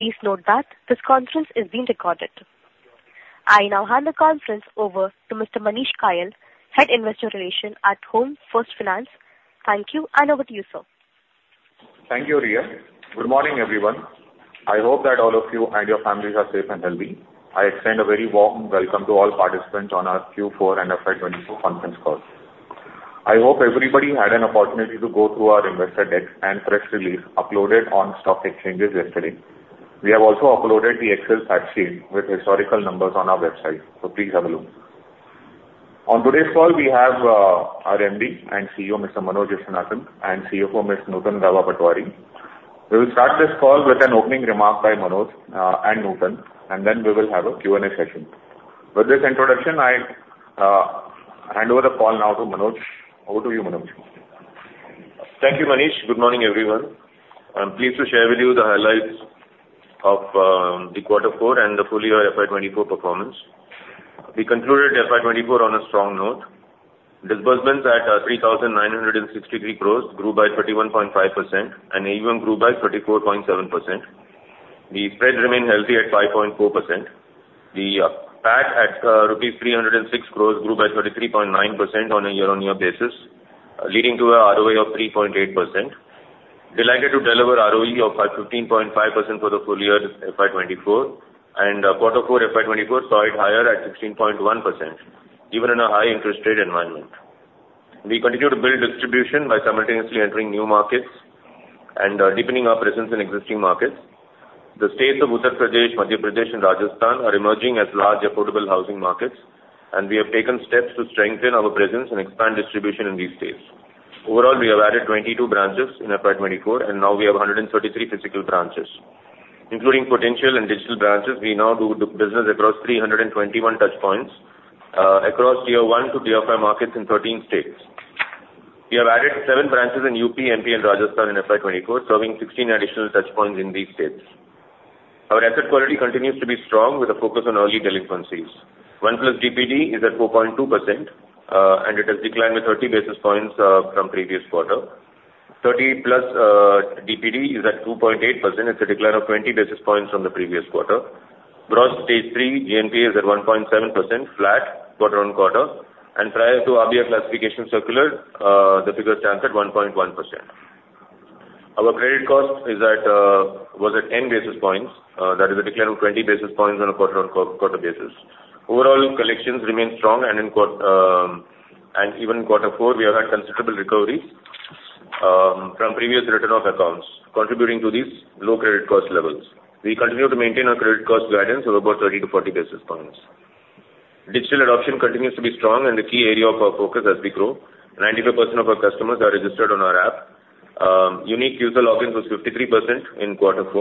Please note that this conference is being recorded. I now hand the conference over to Mr. Manish Kayal, Head of Investor Relations at Home First Finance. Thank you, and over to you, sir. Thank you, Riya. Good morning, everyone. I hope that all of you and your families are safe and healthy. I extend a very warm welcome to all participants on our Q4 and FY 2024 conference call. I hope everybody had an opportunity to go through our investor deck and press release uploaded on stock exchanges yesterday. We have also uploaded the Excel spreadsheet with historical numbers on our website, so please have a look. On today's call, we have our MD and CEO, Mr. Manoj Viswanathan, and CFO, Ms. Nutan Gaba Patwari. We will start this call with an opening remark by Manoj and Nutan, and then we will have a Q&A session. With this introduction, I hand over the call now to Manoj. Over to you, Manoj. Thank you, Manish. Good morning, everyone. I'm pleased to share with you the highlights of the Q4 and the full-year FY 2024 performance. We concluded FY 2024 on a strong note. Disbursements at 3,963 crore grew by 31.5% and even grew by 34.7%. The spread remained healthy at 5.4%. The PAT at INR 306 crore grew by 33.9% on a year-on-year basis, leading to an ROA of 3.8%. Delighted to deliver ROE of 15.5% for the full-year FY 2024, and Q4 FY 2024 soared higher at 16.1%, even in a high-interest rate environment. We continue to build distribution by simultaneously entering new markets and deepening our presence in existing markets. The states of Uttar Pradesh, Madhya Pradesh, and Rajasthan are emerging as large affordable housing markets, and we have taken steps to strengthen our presence and expand distribution in these states. Overall, we have added 22 branches in FY 2024, and now we have 133 physical branches. Including potential and digital branches, we now do business across 321 touchpoints across Tier 1 to Tier 5 markets in 13 states. We have added seven branches in UP, MP, and Rajasthan in FY 2024, serving 16 additional touchpoints in these states. Our asset quality continues to be strong, with a focus on early delinquencies. One-plus DPD is at 4.2%, and it has declined by 30 basis points from previous quarter. 30+ DPD is at 2.8%, with a decline of 20 basis points from the previous quarter. Gross Stage III GNPA is at 1.7%, flat quarter-on-quarter, and prior to RBI classification circular, the figure stands at 1.1%. Our credit cost was at 10 basis points. That is a decline of 20 basis points on a quarter-on-quarter basis. Overall, collections remain strong, and even in Q4, we have had considerable recoveries from previous written-off accounts, contributing to these low credit cost levels. We continue to maintain our credit cost guidance of about 30-40 basis points. Digital adoption continues to be strong, and the key area of our focus as we grow. 95% of our customers are registered on our app. Unique user logins were 53% in Q4.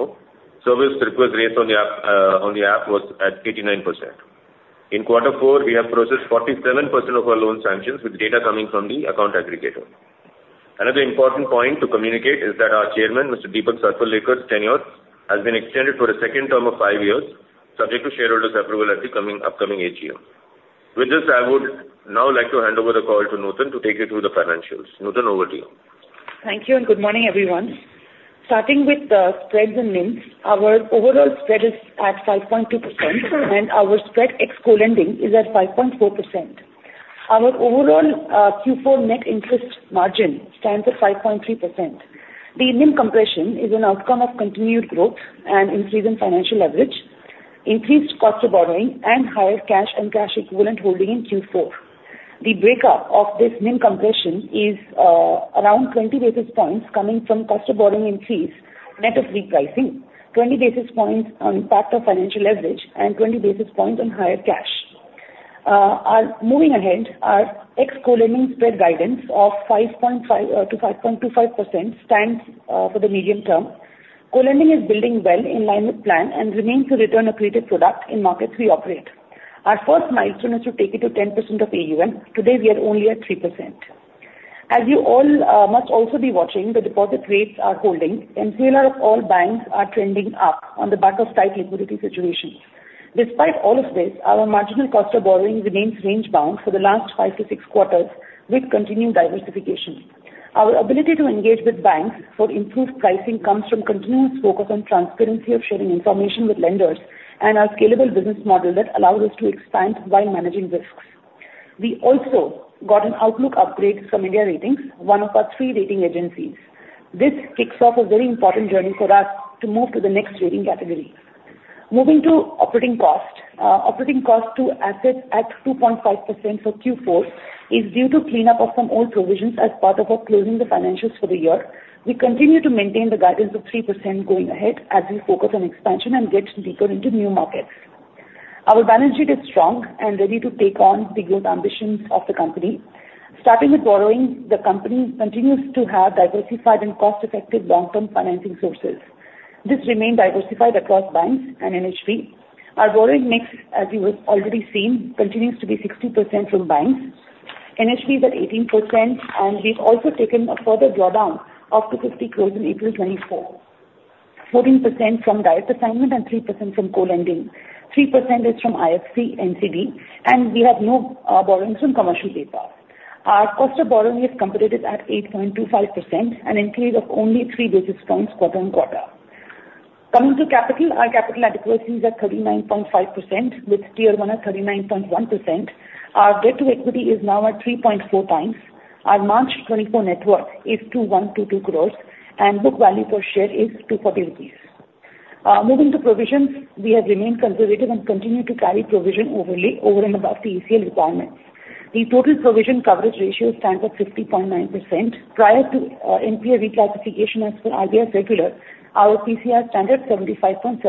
Service request rates on the app were at 89%. In Q4, we have processed 47% of our loan sanctions, with data coming from the account aggregator. Another important point to communicate is that our chairman, Mr. Deepak Satwalekar's tenure has been extended for a second term of five years, subject to shareholders' approval at the upcoming AGM. With this, I would now like to hand over the call to Nutan to take you through the financials. Nutan, over to you. Thank you, and good morning, everyone. Starting with the spreads and NIMs, our overall spread is at 5.2%, and our spread ex co-lending is at 5.4%. Our overall Q4 net interest margin stands at 5.3%. The NIM compression is an outcome of continued growth and increase in financial leverage, increased cost of borrowing, and higher cash and cash equivalent holding in Q4. The breakup of this NIM compression is around 20 basis points coming from cost of borrowing increase, net of repricing, 20 basis points on impact of financial leverage, and 20 basis points on higher cash. Moving ahead, our ex co-lending spread guidance of 5.5%-5.25% stands for the medium term. Co-lending is building well in line with plan and remains to return accretive product in markets we operate. Our first milestone is to take it to 10% of AUM. Today, we are only at 3%. As you all must also be watching, the deposit rates are holding. MCLR of all banks are trending up on the back of tight liquidity situations. Despite all of this, our marginal cost of borrowing remains range-bound for the last five to six quarters with continued diversification. Our ability to engage with banks for improved pricing comes from continuous focus on transparency of sharing information with lenders and our scalable business model that allows us to expand while managing risks. We also got an outlook upgrade from India Ratings, one of our three rating agencies. This kicks off a very important journey for us to move to the next rating category. Moving to operating cost, operating cost to assets at 2.5% for Q4 is due to cleanup of some old provisions as part of our closing the financials for the year. We continue to maintain the guidance of 3% going ahead as we focus on expansion and get deeper into new markets. Our balance sheet is strong and ready to take on the growth ambitions of the company. Starting with borrowing, the company continues to have diversified and cost-effective long-term financing sources. This remains diversified across banks and NHB. Our borrowing mix, as you have already seen, continues to be 60% from banks, NHB is at 18%, and we've also taken a further drawdown of 250 crore in April 2024, 14% from direct assignment, and 3% from co-lending. 3% is from IFC, NCD, and we have no borrowings from commercial paper. Our cost of borrowing is comparative at 8.25%, an increase of only three basis points quarter-on-quarter. Coming to capital, our capital adequacy is at 39.5%, with Tier 1 at 39.1%. Our debt to equity is now at 3.4x. Our March 2024 net worth is 2,122 crore, and book value per share is 240 rupees. Moving to provisions, we have remained conservative and continue to carry provision over and above the ECL requirements. The total provision coverage ratio stands at 50.9%. Prior to NPA reclassification as per RBI circular, our PCR stands at 75.7%.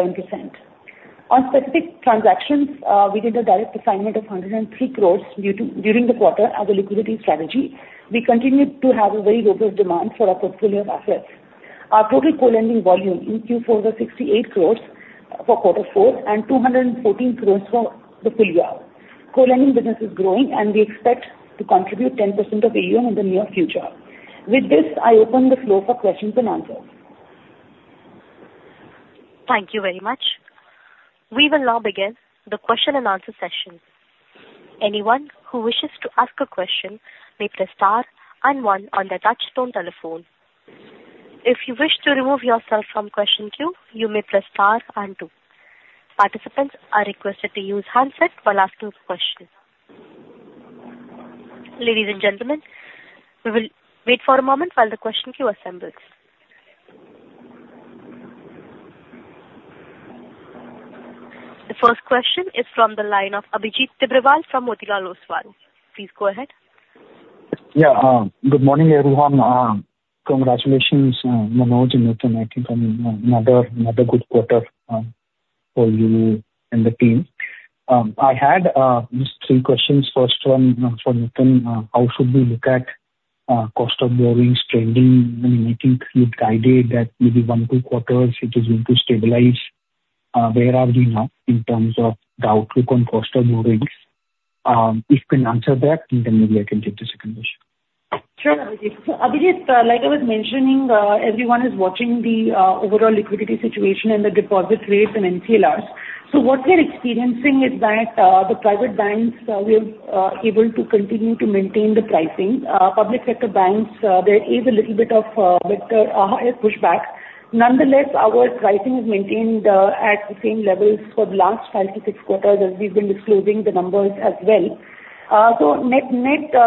On specific transactions, we did a direct assignment of 103 crore during the quarter as a liquidity strategy. We continue to have a very robust demand for our portfolio of assets. Our total co-lending volume in Q4 was 68 crore for Q4 and 214 crore for the full year. Co-lending business is growing, and we expect to contribute 10% of AUM in the near future. With this, I open the floor for questions and answers. Thank you very much. We will now begin the question and answer session. Anyone who wishes to ask a question may press star and one on their touch-tone telephone. If you wish to remove yourself from the question queue, you may press star and two. Participants are requested to use handset while asking a question. Ladies and gentlemen, we will wait for a moment while the question queue assembles. The first question is from the line of Abhijit Tibrewal from Motilal Oswal. Please go ahead. Yeah. Good morning, everyone. Congratulations, Manoj and Nutan. I think another good quarter for you and the team. I had just three questions. First one for Nutan: how should we look at cost of borrowings trending? I mean, I think you guided that maybe one, two quarters it is going to stabilize. Where are we now in terms of the outlook on cost of borrowings? If you can answer that, then maybe I can take the second question. Sure, Abhijit. So Abhijit, like I was mentioning, everyone is watching the overall liquidity situation and the deposit rates and MCLR. So what we are experiencing is that the private banks, we are able to continue to maintain the pricing. Public sector banks, there is a little bit of a higher pushback. Nonetheless, our pricing is maintained at the same levels for the last five to six quarters as we've been disclosing the numbers as well. So net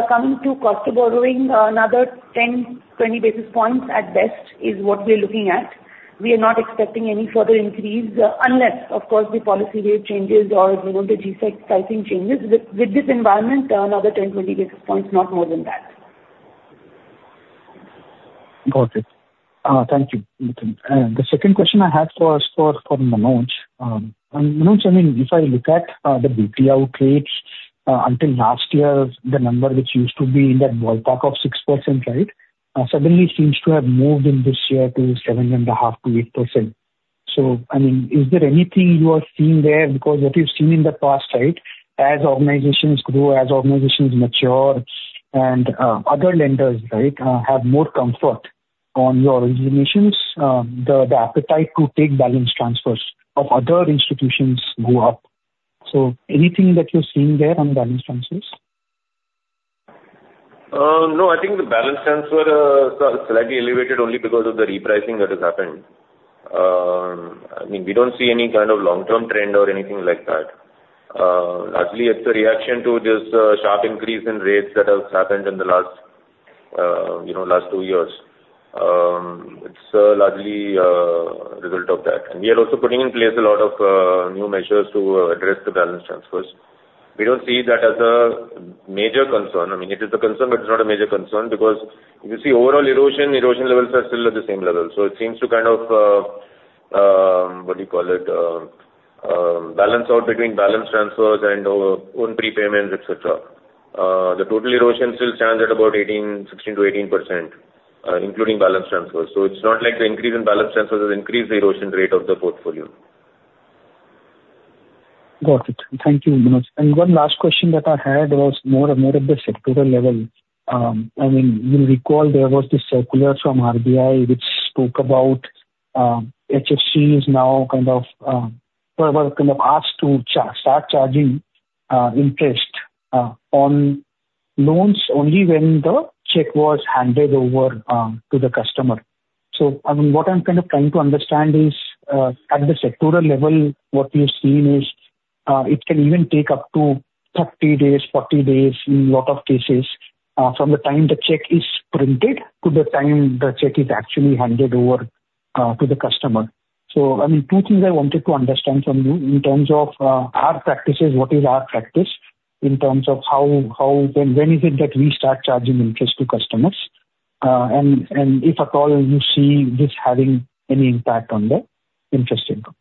coming to cost of borrowing, another 10-20 basis points at best is what we are looking at. We are not expecting any further increase unless, of course, the policy rate changes or the G-Sec pricing changes. With this environment, another 10-20 basis points, not more than that. Got it. Thank you, Nutan. The second question I had was for Manoj. Manoj, I mean, if I look at the BT out rate, until last year, the number which used to be that ballpark of 6%, right, suddenly seems to have moved in this year to 7.5%-8%. So I mean, is there anything you are seeing there? Because what you've seen in the past, right, as organizations grow, as organizations mature, and other lenders, right, have more comfort on your originations, the appetite to take balance transfers of other institutions go up. So anything that you're seeing there on balance transfers? No, I think the balance transfer is slightly elevated only because of the repricing that has happened. I mean, we don't see any kind of long-term trend or anything like that. Largely, it's a reaction to this sharp increase in rates that has happened in the last two years. It's largely a result of that. We are also putting in place a lot of new measures to address the balance transfers. We don't see that as a major concern. I mean, it is a concern, but it's not a major concern because if you see overall erosion, erosion levels are still at the same level. So it seems to kind of, what do you call it, balance out between balance transfers and own prepayments, etc. The total erosion still stands at about 16%-18%, including balance transfers. It's not like the increase in balance transfers has increased the erosion rate of the portfolio. Got it. Thank you, Manoj. One last question that I had was more at the sectoral level. I mean, you'll recall there was this circular from RBI which spoke about HFCs now kind of asked to start charging interest on loans only when the check was handed over to the customer. So I mean, what I'm kind of trying to understand is, at the sectoral level, what we have seen is it can even take up to 30 days, 40 days in a lot of cases from the time the check is printed to the time the check is actually handed over to the customer. I mean, two things I wanted to understand from you in terms of our practices, what is our practice in terms of when is it that we start charging interest to customers, and if at all you see this having any impact on the interest income?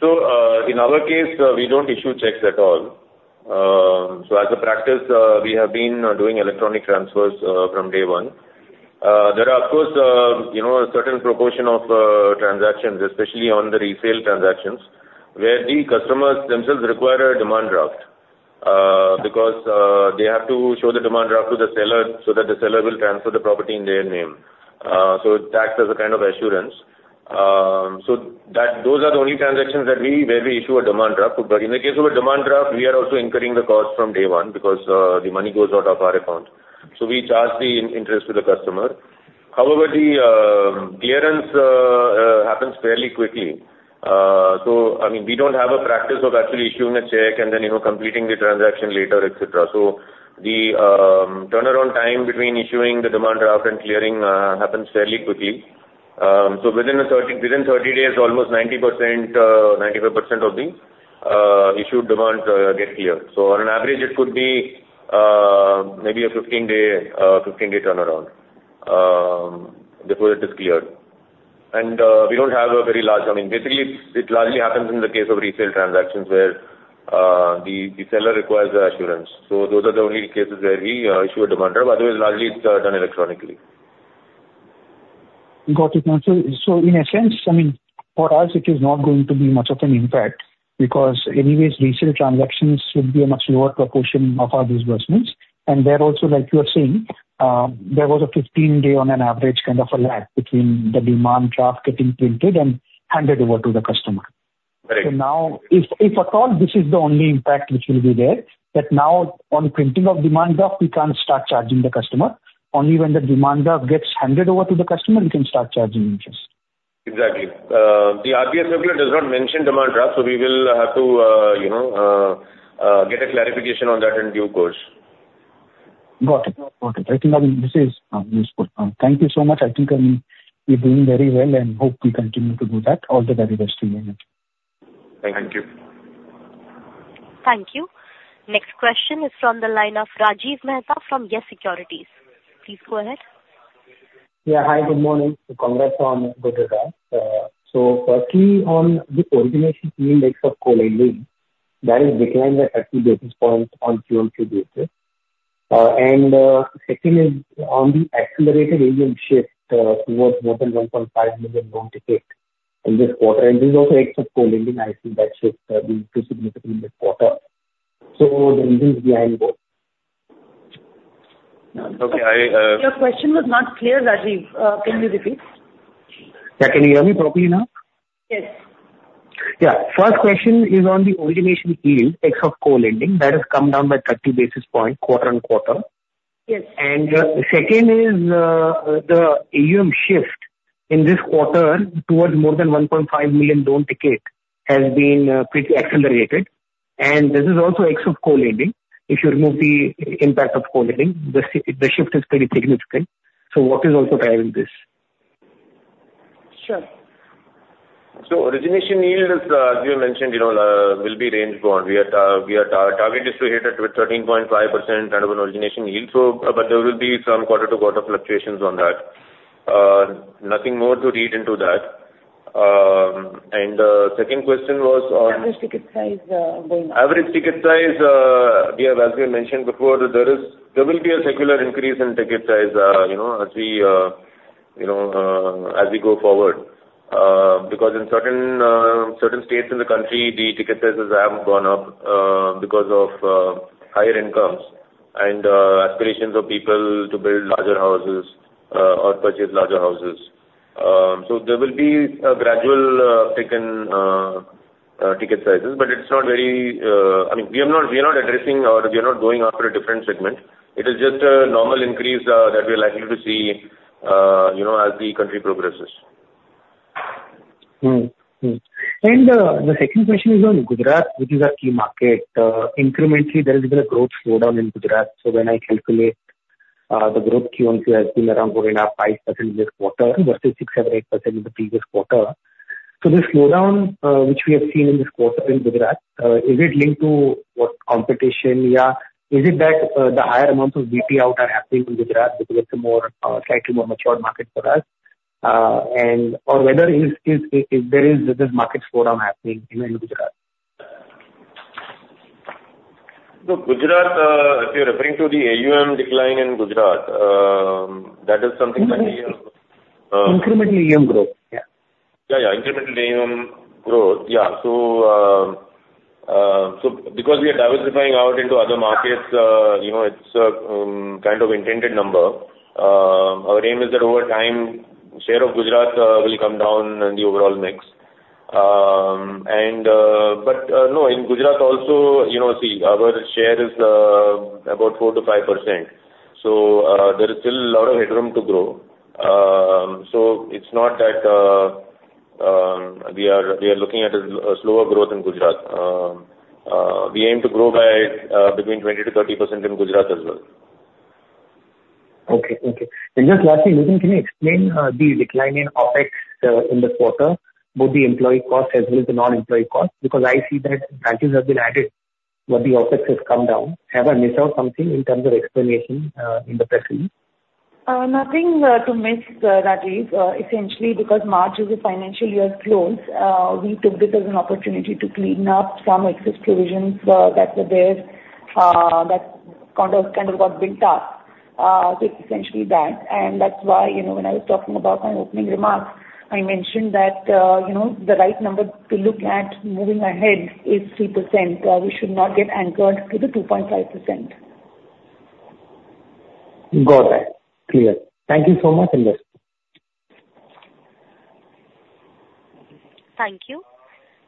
So in our case, we don't issue checks at all. So as a practice, we have been doing electronic transfers from day one. There are, of course, a certain proportion of transactions, especially on the resale transactions, where the customers themselves require a demand draft because they have to show the demand draft to the seller so that the seller will transfer the property in their name. So it acts as a kind of assurance. So those are the only transactions where we issue a demand draft. But in the case of a demand draft, we are also incurring the cost from day one because the money goes out of our account. So we charge the interest to the customer. However, the clearance happens fairly quickly. So I mean, we don't have a practice of actually issuing a check and then completing the transaction later, etc. The turnaround time between issuing the demand draft and clearing happens fairly quickly. Within 30 days, almost 90%, 95% of the issued demands get cleared. On an average, it could be maybe a 15-day turnaround before it is cleared. We don't have a very large I mean, basically, it largely happens in the case of resale transactions where the seller requires the assurance. Those are the only cases where we issue a demand draft. Otherwise, largely, it's done electronically. Got it. So in a sense, I mean, for us, it is not going to be much of an impact because anyways, resale transactions would be a much lower proportion of our disbursements. And there also, like you are saying, there was a 15-day, on an average, kind of a lag between the demand draft getting printed and handed over to the customer. So now, if at all this is the only impact which will be there, that now on printing of demand draft, we can't start charging the customer. Only when the demand draft gets handed over to the customer, we can start charging interest. Exactly. The RBI circular does not mention demand draft, so we will have to get a clarification on that in due course. Got it. Got it. I think, I mean, this is useful. Thank you so much. I think, I mean, you're doing very well, and hope we continue to do that. All the very best to you in it. Thank you. Thank you. Next question is from the line of Rajiv Mehta from YES Securities. Please go ahead. Yeah. Hi. Good morning. Congrats on the good result. So firstly, on the origination mix of co-lending, that is declined by 30 basis points on a QoQ basis. And second is on the accelerated AUM shift towards more than 1.5 million loan tickets in this quarter. And this is also ex of co-lending. I see that shift being too significant this quarter. So the reasons behind both. Okay. Your question was not clear, Rajiv. Can you repeat? Yeah. Can you hear me properly now? Yes. Yeah. First question is on the origination yield, ex of co-lending. That has come down by 30 basis points quarter-over-quarter. And second is the AUM shift in this quarter towards more than 1.5 million loan ticket has been pretty accelerated. And this is also ex of co-lending. If you remove the impact of co-lending, the shift is pretty significant. So what is also driving this? Sure. So origination yield, as you mentioned, will be rangebound. Our target is to hit it with 13.5% kind of an origination yield. But there will be some quarter-to-quarter fluctuations on that. Nothing more to read into that. And the second question was on. Average ticket size going up. Average ticket size, as we mentioned before, there will be a secular increase in ticket size as we go forward because in certain states in the country, the ticket sizes have gone up because of higher incomes and aspirations of people to build larger houses or purchase larger houses. So there will be a gradual thickening of ticket sizes, but it's not very I mean, we are not addressing or we are not going after a different segment. It is just a normal increase that we are likely to see as the country progresses. The second question is on Gujarat, which is our key market. Incrementally, there is a bit of growth slowdown in Gujarat. So when I calculate, the growth Q1 has been around 4.5%-5% in this quarter versus 6%-8% in the previous quarter. So the slowdown which we have seen in this quarter in Gujarat, is it linked to competition, yeah? Is it that the higher amounts of BT out are happening in Gujarat because it's a slightly more matured market for us? Or whether there is this market slowdown happening in Gujarat? Gujarat, if you're referring to the AUM decline in Gujarat, that is something that we have. Incremental AUM growth, yeah. Yeah, yeah. Incremental AUM growth, yeah. So because we are diversifying out into other markets, it's a kind of intended number. Our aim is that over time, share of Gujarat will come down in the overall mix. But no, in Gujarat also, see, our share is about 4%-5%. So there is still a lot of headroom to grow. So it's not that we are looking at a slower growth in Gujarat. We aim to grow by between 20%-30% in Gujarat as well. Okay. Thank you. And just lastly, Nutan, can you explain the decline in OpEx in this quarter, both the employee cost as well as the non-employee cost? Because I see that branches have been added, but the OpEx has come down. Have I missed out something in terms of explanation in the press release? Nothing to miss, Rajiv, essentially, because March is a financial year's close. We took this as an opportunity to clean up some excess provisions that were there, that kind of got built up. So it's essentially that. And that's why when I was talking about my opening remarks, I mentioned that the right number to look at moving ahead is 3%. We should not get anchored to the 2.5%. Got it. Clear. Thank you so much, Manoj. Thank you.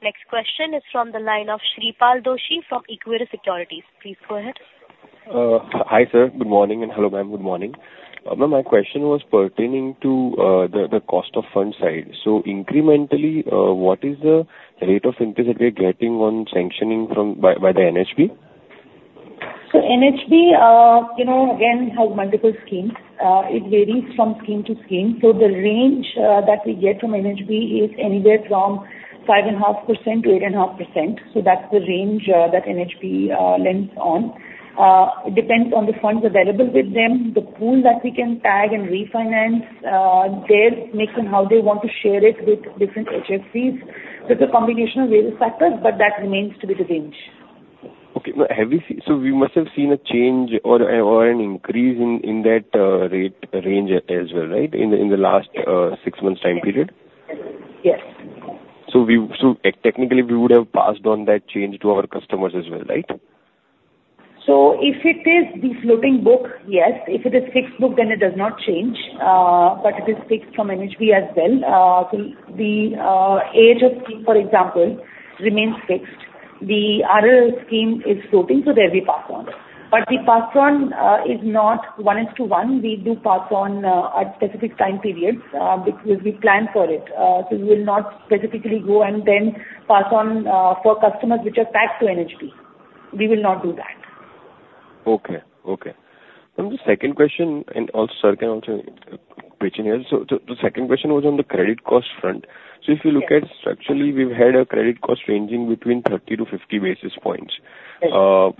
Next question is from the line of Shreepal Doshi from Equirus Securities. Please go ahead. Hi, sir. Good morning. And hello, ma'am. Good morning. My question was pertaining to the cost of funds side. So incrementally, what is the rate of interest that we are getting on sanctioning by the NHB? So NHB, again, has multiple schemes. It varies from scheme to scheme. So the range that we get from NHB is anywhere from 5.5% to 8.5%. So that's the range that NHB lends on. It depends on the funds available with them, the pool that we can tag and refinance, their mix and how they want to share it with different HFCs. So it's a combination of various factors, but that remains to be the range. Okay. So we must have seen a change or an increase in that rate range as well, right, in the last six months' time period? Yes. So technically, we would have passed on that change to our customers as well, right? So if it is the floating book, yes. If it is fixed book, then it does not change. But it is fixed from NHB as well. So the age of scheme, for example, remains fixed. The RL scheme is floating, so there we pass on. But the pass on is not one-to-one. We do pass on at specific time periods because we plan for it. So we will not specifically go and then pass on for customers which are tagged to NHB. We will not do that. Okay. Okay. And the second question and also, sir, can also question here. So the second question was on the credit cost front. So if you look at structurally, we've had a credit cost ranging between 30-50 basis points. So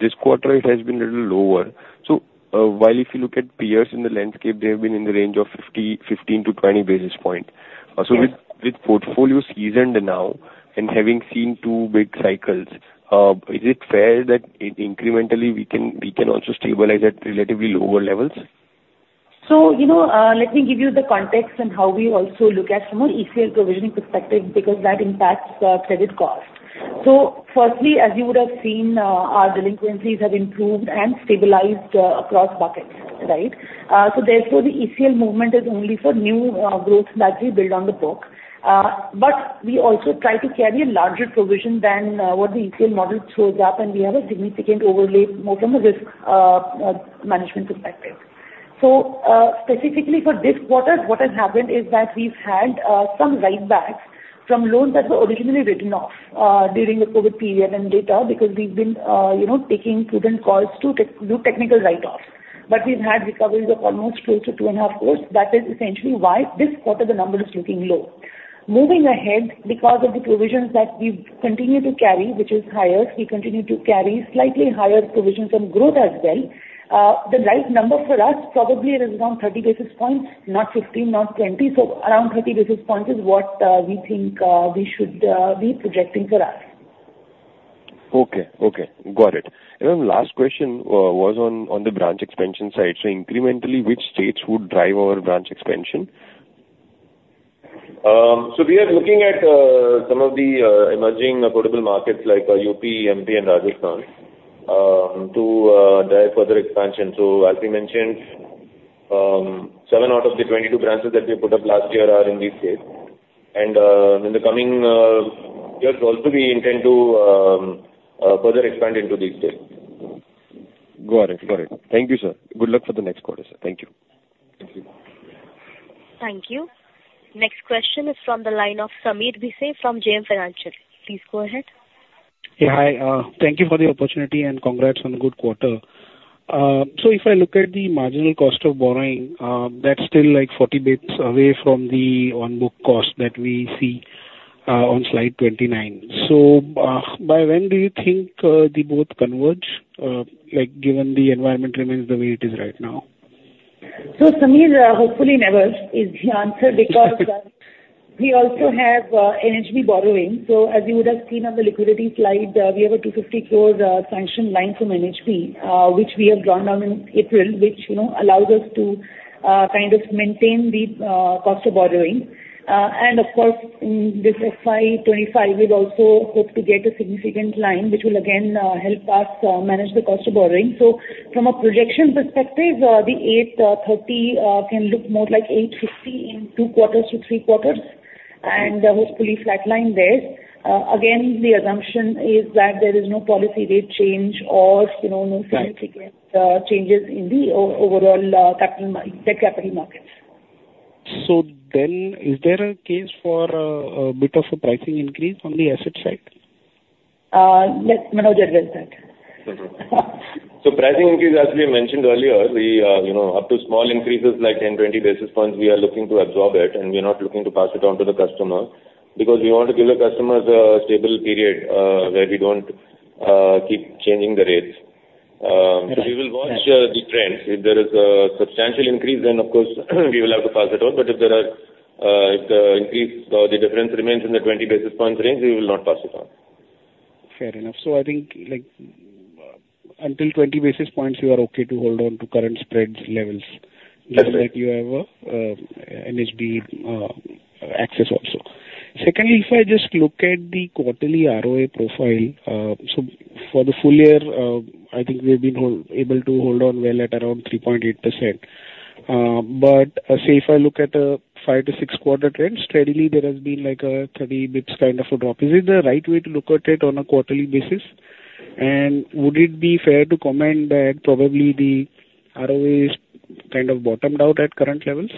this quarter, it has been a little lower. So while if you look at peers in the landscape, they have been in the range of 15-20 basis points. So with portfolios seasoned now and having seen two big cycles, is it fair that incrementally, we can also stabilize at relatively lower levels? So let me give you the context and how we also look at from an ECL provisioning perspective because that impacts credit cost. So firstly, as you would have seen, our delinquencies have improved and stabilized across buckets, right? So therefore, the ECL movement is only for new growth that we build on the book. But we also try to carry a larger provision than what the ECL model shows up, and we have a significant overlay more from a risk management perspective. So specifically for this quarter, what has happened is that we've had some writebacks from loans that were originally written off during the COVID period and later because we've been taking studied calls to do technical write-offs. But we've had recoveries of almost close to 2.5 crore. That is essentially why this quarter, the number is looking low. Moving ahead, because of the provisions that we continue to carry, which is higher, we continue to carry slightly higher provisions on growth as well. The right number for us probably is around 30 basis points, not 15, not 20. So around 30 basis points is what we think we should be projecting for us. Okay. Okay. Got it. Then last question was on the branch expansion side. Incrementally, which states would drive our branch expansion? So we are looking at some of the emerging affordable markets like UP, MP, and Rajasthan to drive further expansion. So as we mentioned, seven out of the 22 branches that we put up last year are in these states. And in the coming years, also, we intend to further expand into these states. Got it. Got it. Thank you, sir. Good luck for the next quarter, sir. Thank you. Thank you. Next question is from the line of Sameer Bhise from JM Financial. Please go ahead. Yeah. Hi. Thank you for the opportunity, and congrats on a good quarter. So if I look at the marginal cost of borrowing, that's still like 40 basis points away from the on-book cost that we see on slide 29. So by when do you think they both converge, given the environment remains the way it is right now? Sameer, hopefully, never is the answer because we also have NHB borrowing. As you would have seen on the liquidity slide, we have a 250 crore sanctioned line from NHB, which we have drawn down in April, which allows us to kind of maintain the cost of borrowing. Of course, in this FY 2025, we also hope to get a significant line, which will again help us manage the cost of borrowing. From a projection perspective, the 8.30% can look more like 8.50% in two quarters to three quarters and hopefully flatline there. Again, the assumption is that there is no policy rate change or no significant changes in the overall debt capital markets. Is there a case for a bit of a pricing increase on the asset side? Let Manoj address that. So pricing increase, as we mentioned earlier, up to small increases like 10-20 basis points, we are looking to absorb it, and we are not looking to pass it on to the customer because we want to give the customers a stable period where we don't keep changing the rates. So we will watch the trends. If there is a substantial increase, then of course, we will have to pass it on. But if the difference remains in the 20 basis points range, we will not pass it on. Fair enough. So I think until 20 basis points, you are okay to hold on to current spreads levels given that you have NHB access also. Secondly, if I just look at the quarterly ROA profile, so for the full year, I think we have been able to hold on well at around 3.8%. But say if I look at a five to six quarter trend, steadily, there has been like a 30 basis points kind of a drop. Is it the right way to look at it on a quarterly basis? And would it be fair to comment that probably the ROA is kind of bottomed out at current levels?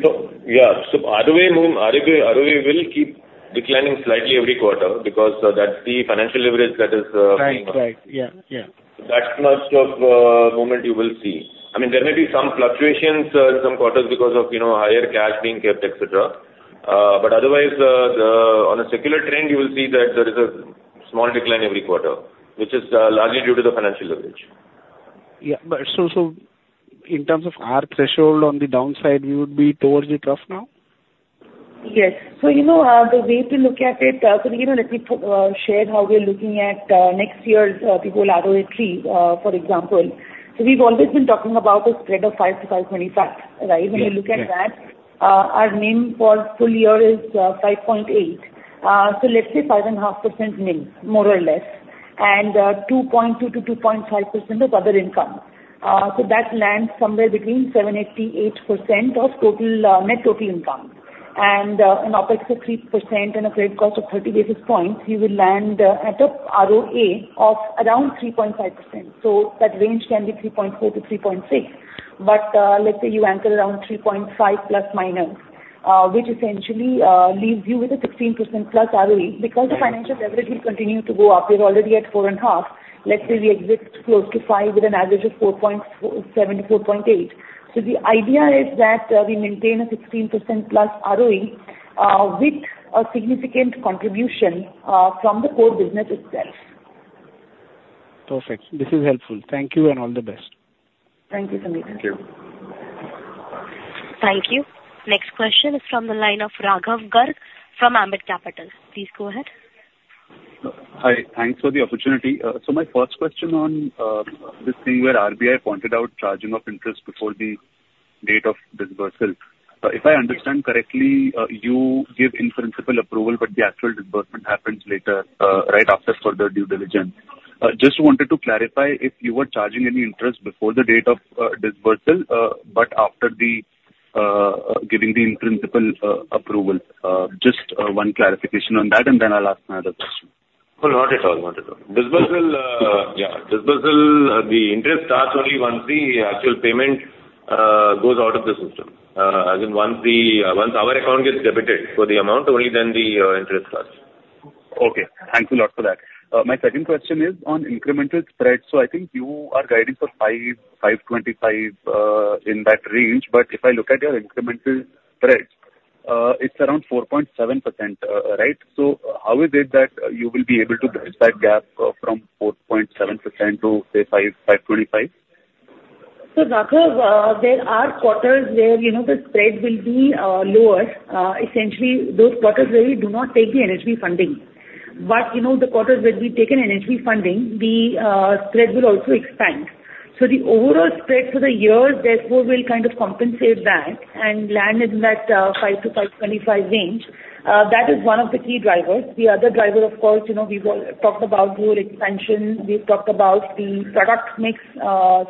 No. Yeah. So ROA will keep declining slightly every quarter because that's the financial leverage that is being used. Right. Right. Yeah. Yeah. So that's much of a movement you will see. I mean, there may be some fluctuations in some quarters because of higher cash being kept, etc. But otherwise, on a secular trend, you will see that there is a small decline every quarter, which is largely due to the financial leverage. Yeah. So in terms of our threshold on the downside, we would be towards the trough now? Yes. So the way to look at it, let me share how we are looking at next year's projected ROA trajectory, for example. So we've always been talking about a spread of 5%-5.25%, right? When you look at that, our NIM for full year is 5.8%. So let's say 5.5% NIM, more or less, and 2.2%-2.5% of other income. So that lands somewhere between 7%-8% of net total income. And an OpEx of 3% and a credit cost of 30 basis points, you will land at a ROA of around 3.5%. So that range can be 3.4%-3.6%. But let's say you anchor around 3.5%±, which essentially leaves you with a 16%+ ROE because the financial leverage will continue to go up. We're already at 4.5%. Let's say we exit close to 5% with an average of 4.7%-4.8%. The idea is that we maintain a 16%+ ROE with a significant contribution from the core business itself. Perfect. This is helpful. Thank you and all the best. Thank you, Sameer. Thank you. Thank you. Next question is from the line of Raghav Garg from Ambit Capital. Please go ahead. Hi. Thanks for the opportunity. So my first question on this thing where RBI pointed out charging of interest before the date of disbursement. If I understand correctly, you give in-principle approval, but the actual disbursement happens later, right, after further due diligence. Just wanted to clarify if you were charging any interest before the date of disbursement but after giving the in-principle approval. Just one clarification on that, and then I'll ask another question. Oh, not at all. Not at all. Yeah. Disbursement, the interest starts only once the actual payment goes out of the system. As in, once our account gets debited for the amount, only then the interest starts. Okay. Thanks a lot for that. My second question is on incremental spreads. So I think you are guiding for 5.25% in that range. But if I look at your incremental spreads, it's around 4.7%, right? So how is it that you will be able to bridge that gap from 4.7% to, say, 5.25%? So Raghav, there are quarters where the spread will be lower. Essentially, those quarters where we do not take the NHB funding. But the quarters where we take an NHB funding, the spread will also expand. So the overall spread for the years, therefore, will kind of compensate that and land in that 5%-5.25% range. That is one of the key drivers. The other driver, of course, we've all talked about your expansion. We've talked about the product mix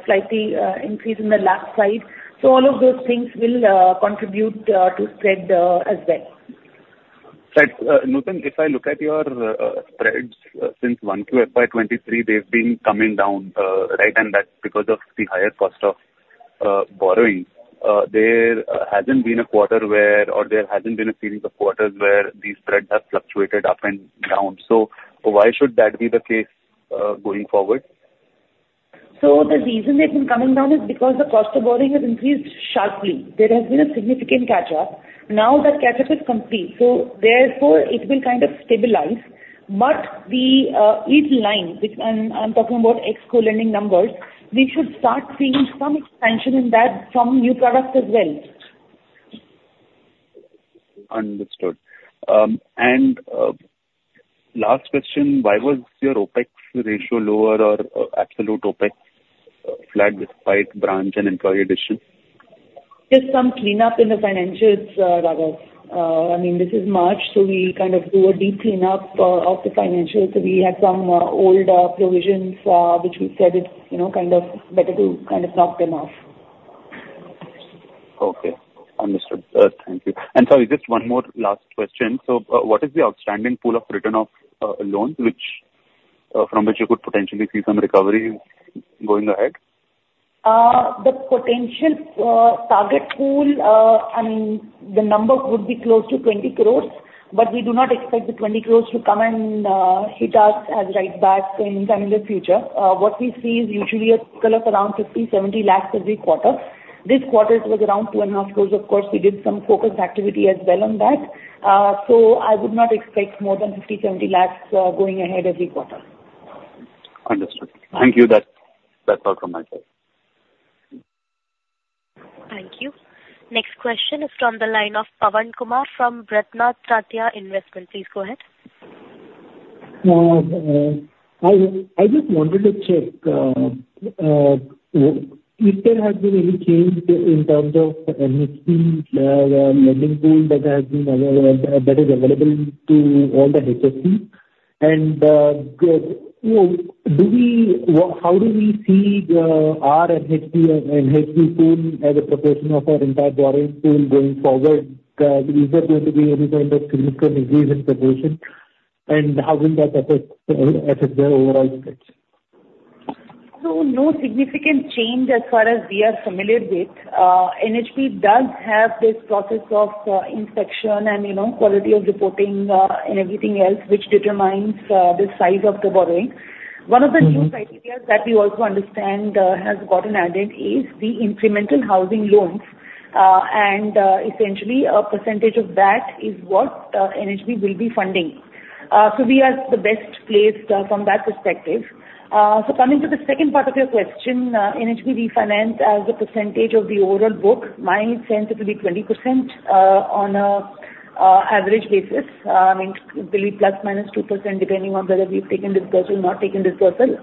slightly increase on the left side. So all of those things will contribute to spread as well. Right. Nutan, if I look at your spreads since 1Q FY 2023, they've been coming down, right, and that's because of the higher cost of borrowing. There hasn't been a quarter where there hasn't been a series of quarters where these spreads have fluctuated up and down. So why should that be the case going forward? So the reason they've been coming down is because the cost of borrowing has increased sharply. There has been a significant catch-up. Now that catch-up is complete. So therefore, it will kind of stabilize. But each line, and I'm talking about co-lending numbers, we should start seeing some expansion in that from new products as well. Understood. Last question, why was your OpEx ratio lower or absolute OpEx flat despite branch and employee addition? Just some cleanup in the financials, Raghav. I mean, this is March, so we kind of do a deep cleanup of the financials. So we had some old provisions, which we said it's kind of better to kind of knock them off. Okay. Understood. Thank you. Sorry, just one more last question. What is the outstanding pool of return of loans from which you could potentially see some recovery going ahead? The potential target pool, I mean, the number would be close to 20 crore, but we do not expect the 20 crore to come and hit us as writebacks in the future. What we see is usually call it around 50 lakh-70 lakh every quarter. This quarter, it was around 2.5 crore. Of course, we did some focused activity as well on that. So I would not expect more than 50 lakh-70 lakh going ahead every quarter. Understood. Thank you. That's all from my side. Thank you. Next question is from the line of Pavan Kumar from RatnaTraya Capital. Please go ahead. I just wanted to check if there has been any change in terms of NHB lending pool that is available to all the HFCs. How do we see our NHB pool as a proportion of our entire borrowing pool going forward? Is there going to be any kind of significant increase in proportion, and how will that affect the overall spreads? So no significant change as far as we are familiar with. NHB does have this process of inspection and quality of reporting and everything else, which determines the size of the borrowing. One of the new criteria that we also understand has gotten added is the incremental housing loans. And essentially, a percentage of that is what NHB will be funding. So we are the best placed from that perspective. So coming to the second part of your question, NHB refinance as a percentage of the overall book, my sense it will be 20% on an average basis. I mean, it will be ±2% depending on whether we've taken disbursal, not taken disbursal,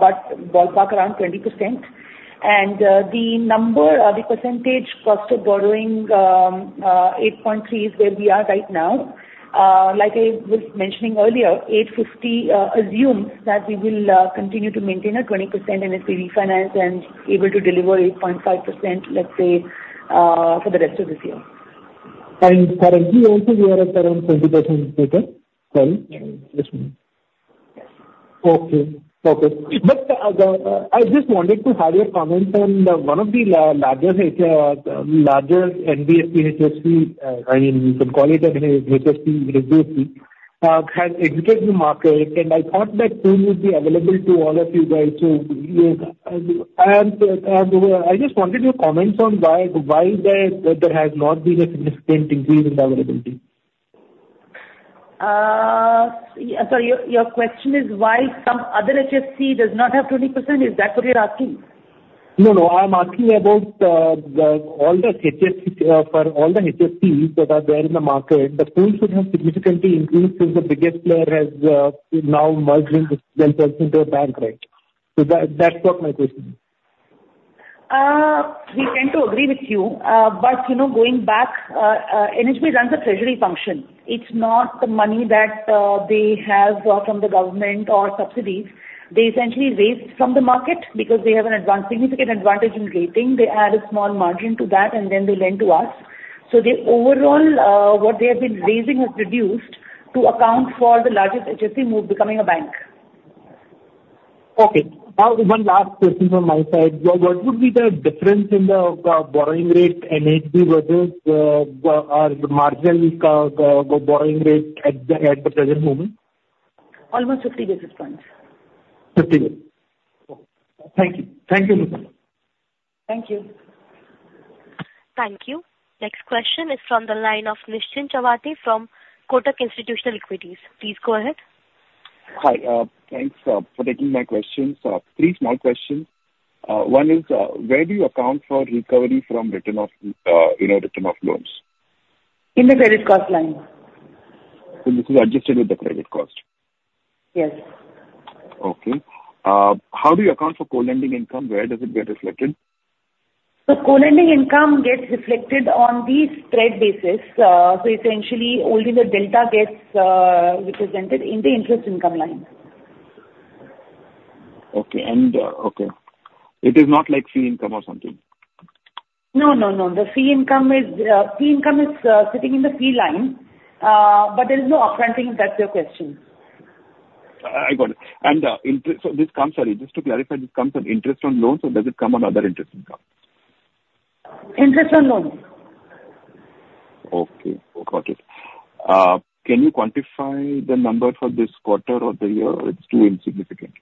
but ballpark around 20%. And the percentage cost of borrowing, 8.3%, is where we are right now. Like I was mentioning earlier, 8.50% assumes that we will continue to maintain a 20% NHB refinance and able to deliver 8.5%, let's say, for the rest of this year. Sorry. You answered the other question 20 seconds later. Sorry. Yes. Okay. Okay. But I just wanted to have your comments. One of the larger in the space, HFC, I mean, you can call it an HFC, it is HFC, has exited the market. And I thought that pool would be available to all of you guys. I just wanted your comments on why there has not been a significant increase in the availability. Sorry. Your question is why some other HFCs does not have 20%. Is that what you're asking? No, no. I'm asking about all the HFCs for all the HFCs that are there in the market. The pool should have significantly increased since the biggest player has now merged themselves into a bank, right? So that's not my question. We tend to agree with you. But going back, NHB runs a treasury function. It's not the money that they have from the government or subsidies. They essentially raise from the market because they have a significant advantage in rating. They add a small margin to that, and then they lend to us. So overall, what they have been raising has reduced to account for the largest HFC move, becoming a bank. Okay. Now, one last question from my side. What would be the difference in the borrowing rate NHB versus the marginal borrowing rate at the present moment? Almost 50 basis points. 50. Okay. Thank you. Thank you, Nutan. Thank you. Thank you. Next question is from the line of Nischint Chawathe from Kotak Institutional Equities. Please go ahead. Hi. Thanks for taking my questions. Three small questions. One is, where do you account for recovery from return of loans? In the credit cost line. So this is adjusted with the credit cost? Yes. Okay. How do you account for co-lending income? Where does it get reflected? So Co-lending income gets reflected on the spread basis. So essentially, only the delta gets represented in the interest income line. Okay. And okay. It is not like fee income or something? No, no, no. The fee income is sitting in the fee line, but there is no upfronting. That's your question. I got it. And so this comes, sorry. Just to clarify, this comes on interest on loans, or does it come on other interest income? Interest on loans. Okay. Got it. Can you quantify the number for this quarter or the year? It's too insignificant.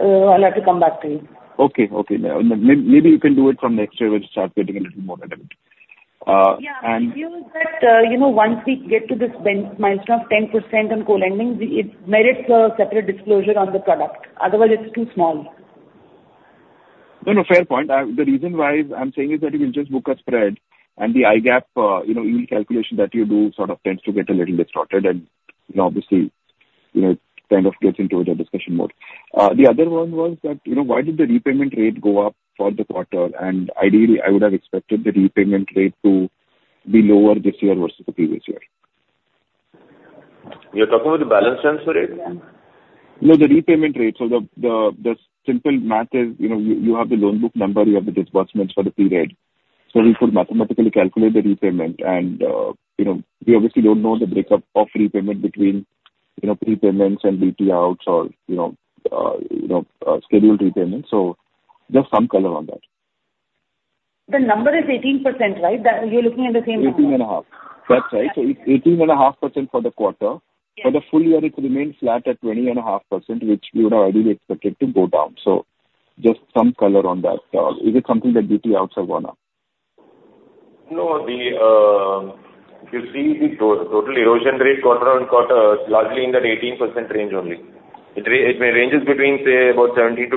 I'll have to come back to you. Okay. Okay. Maybe you can do it from next year, where you start getting a little more out of it. Yeah. The issue is that once we get to this milestone of 10% on co-lending, it merits a separate disclosure on the product. Otherwise, it's too small. No, no. Fair point. The reason why I'm saying is that you will just book a spread. And the I-GAAP yield calculation that you do sort of tends to get a little distorted. And obviously, it kind of gets into a discussion mode. The other one was that why did the repayment rate go up for the quarter? And ideally, I would have expected the repayment rate to be lower this year versus the previous year. You're talking about the balance transfer rate? No, the repayment rate. So the simple math is you have the loan book number. You have the disbursements for the period. So we could mathematically calculate the repayment. And we obviously don't know the breakup of repayment between prepayments and BT outs or scheduled repayments. So just some color on that. The number is 18%, right? You're looking at the same number? 18.5%. That's right. So it's 18.5% for the quarter. For the full year, it remains flat at 20.5%, which we would have ideally expected to go down. So just some color on that. Is it something that BT outs have gone up? No. You see the total erosion rate quarter-on-quarter is largely in that 18% range only. It ranges between, say, about 17%-20%.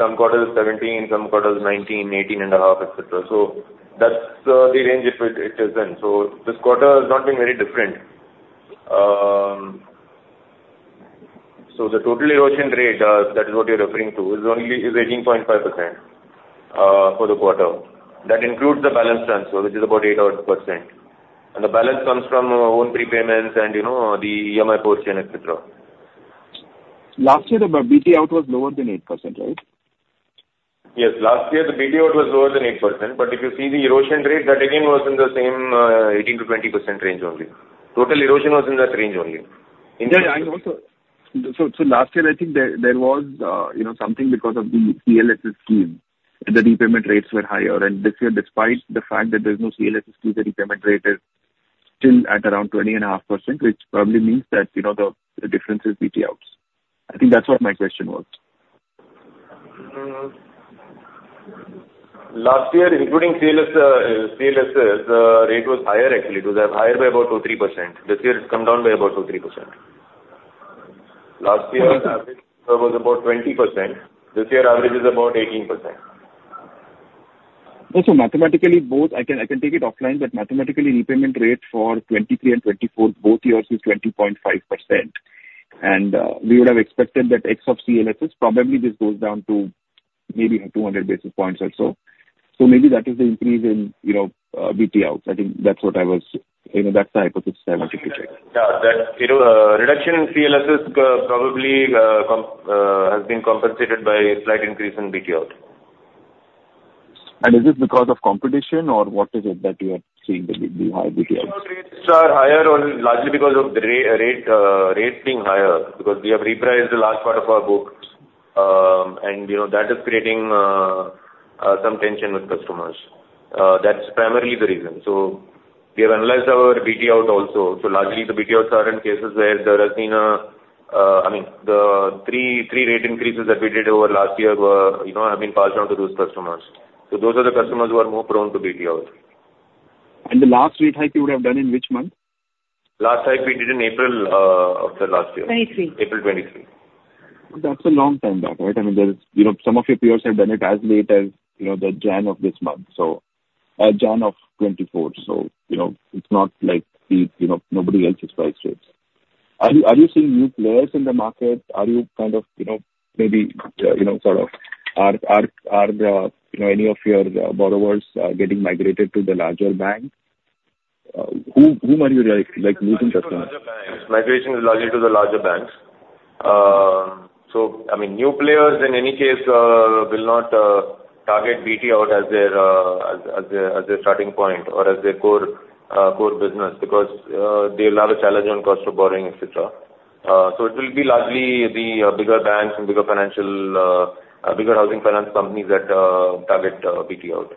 Some quarters, 17%. Some quarters, 19%, 18.5%, etc. So that's the range it is in. So this quarter has not been very different. So the total erosion rate, that is what you're referring to, is only 18.5% for the quarter. That includes the balance transfer, which is about 8%. And the balance comes from our own prepayments and the EMI portion, etc. Last year, the BT out was lower than 8%, right? Yes. Last year, the BT out was lower than 8%. But if you see the erosion rate, that again was in the same 18%-20% range only. Total erosion was in that range only. Yeah. So last year, I think there was something because of the CLSS scheme that the repayment rates were higher. This year, despite the fact that there's no CLSS scheme, the repayment rate is still at around 20.5%, which probably means that the difference is BT outs. I think that's what my question was. Last year, including CLSS, the rate was higher, actually. It was higher by about 2%-3%. This year, it's come down by about 2%-3%. Last year's average was about 20%. This year's average is about 18%. So mathematically, both I can take it offline, but mathematically, repayment rate for 2023 and 2024, both years is 20.5%. And we would have expected that ex of CLSS, probably this goes down to maybe 200 basis points or so. So maybe that is the increase in BT outs. I think that's what I was that's the hypothesis I wanted to check. Yeah. Reduction in CLSS probably has been compensated by a slight increase in BT out. Is this because of competition, or what is it that you are seeing, the high BT outs? BT out rates are higher largely because of the rates being higher because we have repriced the last part of our book. That is creating some tension with customers. That's primarily the reason. We have analyzed our BT out also. Largely, the BT outs are in cases where there has been a I mean, the three rate increases that we did over last year have been passed on to those customers. Those are the customers who are more prone to BT out. The last rate hike you would have done in which month? Last hike we did in April of the last year. 2023. April 2023. That's a long time back, right? I mean, some of your peers have done it as late as the January of this month, so January of 2024. So it's not like nobody else is priced rates. Are you seeing new players in the market? Are you kind of maybe sort of are any of your borrowers getting migrated to the larger bank? Whom are you losing customers? Migration is largely to the larger banks. So I mean, new players, in any case, will not target BT out as their starting point or as their core business because they will have a challenge on cost of borrowing, etc. So it will be largely the bigger banks and bigger housing finance companies that target BT out.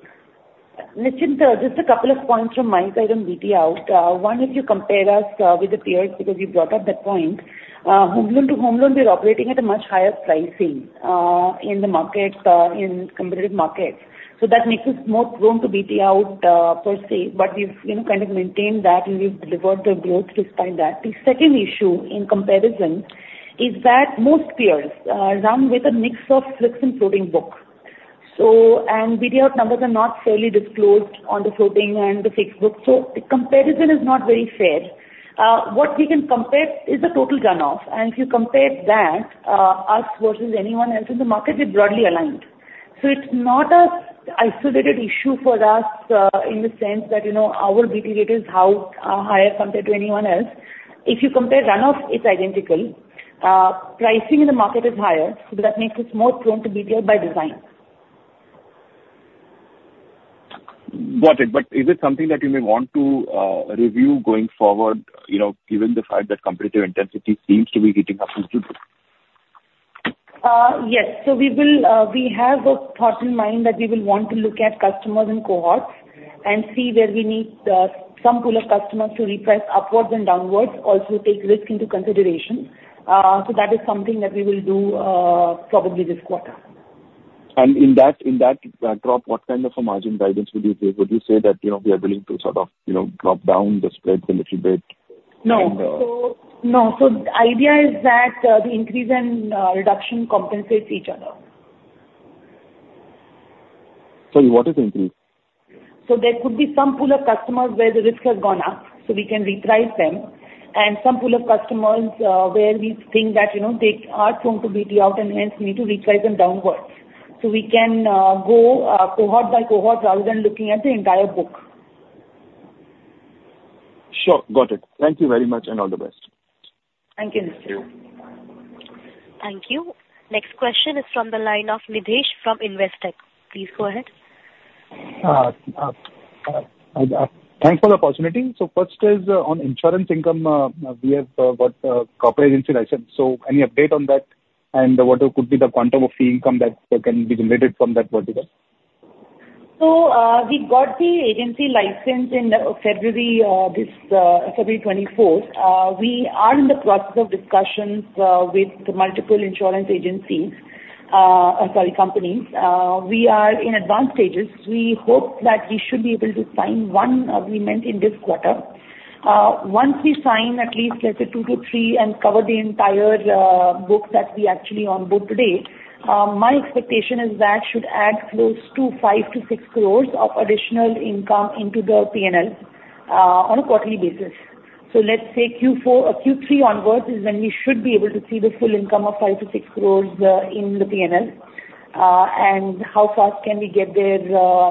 Nischint, just a couple of points from my side on BT out. One, if you compare us with the peers because you brought up that point, home loan to home loan, we're operating at a much higher pricing in the markets, in competitive markets. So that makes us more prone to BT out per se. But we've kind of maintained that, and we've delivered the growth despite that. The second issue in comparison is that most peers run with a mix of fixed and floating book. And BT out numbers are not fairly disclosed on the floating and the fixed books. So the comparison is not very fair. What we can compare is the total runoff. And if you compare that, us versus anyone else in the market, we're broadly aligned. It's not an isolated issue for us in the sense that our BT rate is higher compared to anyone else. If you compare runoff, it's identical. Pricing in the market is higher. That makes us more prone to BT out by design. Got it. But is it something that you may want to review going forward, given the fact that competitive intensity seems to be heating up in June? Yes. So we have a thought in mind that we will want to look at customers and cohorts and see where we need some pool of customers to reprice upwards and downwards, also take risk into consideration. So that is something that we will do probably this quarter. In that drop, what kind of a margin guidance would you give? Would you say that we are willing to sort of drop down the spreads a little bit? No. No. So the idea is that the increase and reduction compensates each other. Sorry. What is the increase? There could be some pool of customers where the risk has gone up, so we can reprice them. Some pool of customers where we think that they are prone to BT out and hence need to reprice them downwards. We can go cohort by cohort rather than looking at the entire book. Sure. Got it. Thank you very much, and all the best. Thank you, Nischint. Thank you. Thank you. Next question is from the line of Nidhesh from Investec. Please go ahead. Thanks for the opportunity. First is on insurance income. We have got a corporate agency license. Any update on that and what could be the quantum of fee income that can be generated from that vertical? So we got the agency license in February 2024. We are in the process of discussions with multiple insurance agencies sorry, companies. We are in advanced stages. We hope that we should be able to sign one agreement in this quarter. Once we sign at least, let's say, two to three and cover the entire book that we actually onboard today, my expectation is that should add close to 5 crore-6 crore of additional income into the P&L on a quarterly basis. So let's say Q3 onwards is when we should be able to see the full income of 5 crore-6 crore in the P&L. And how fast can we get there?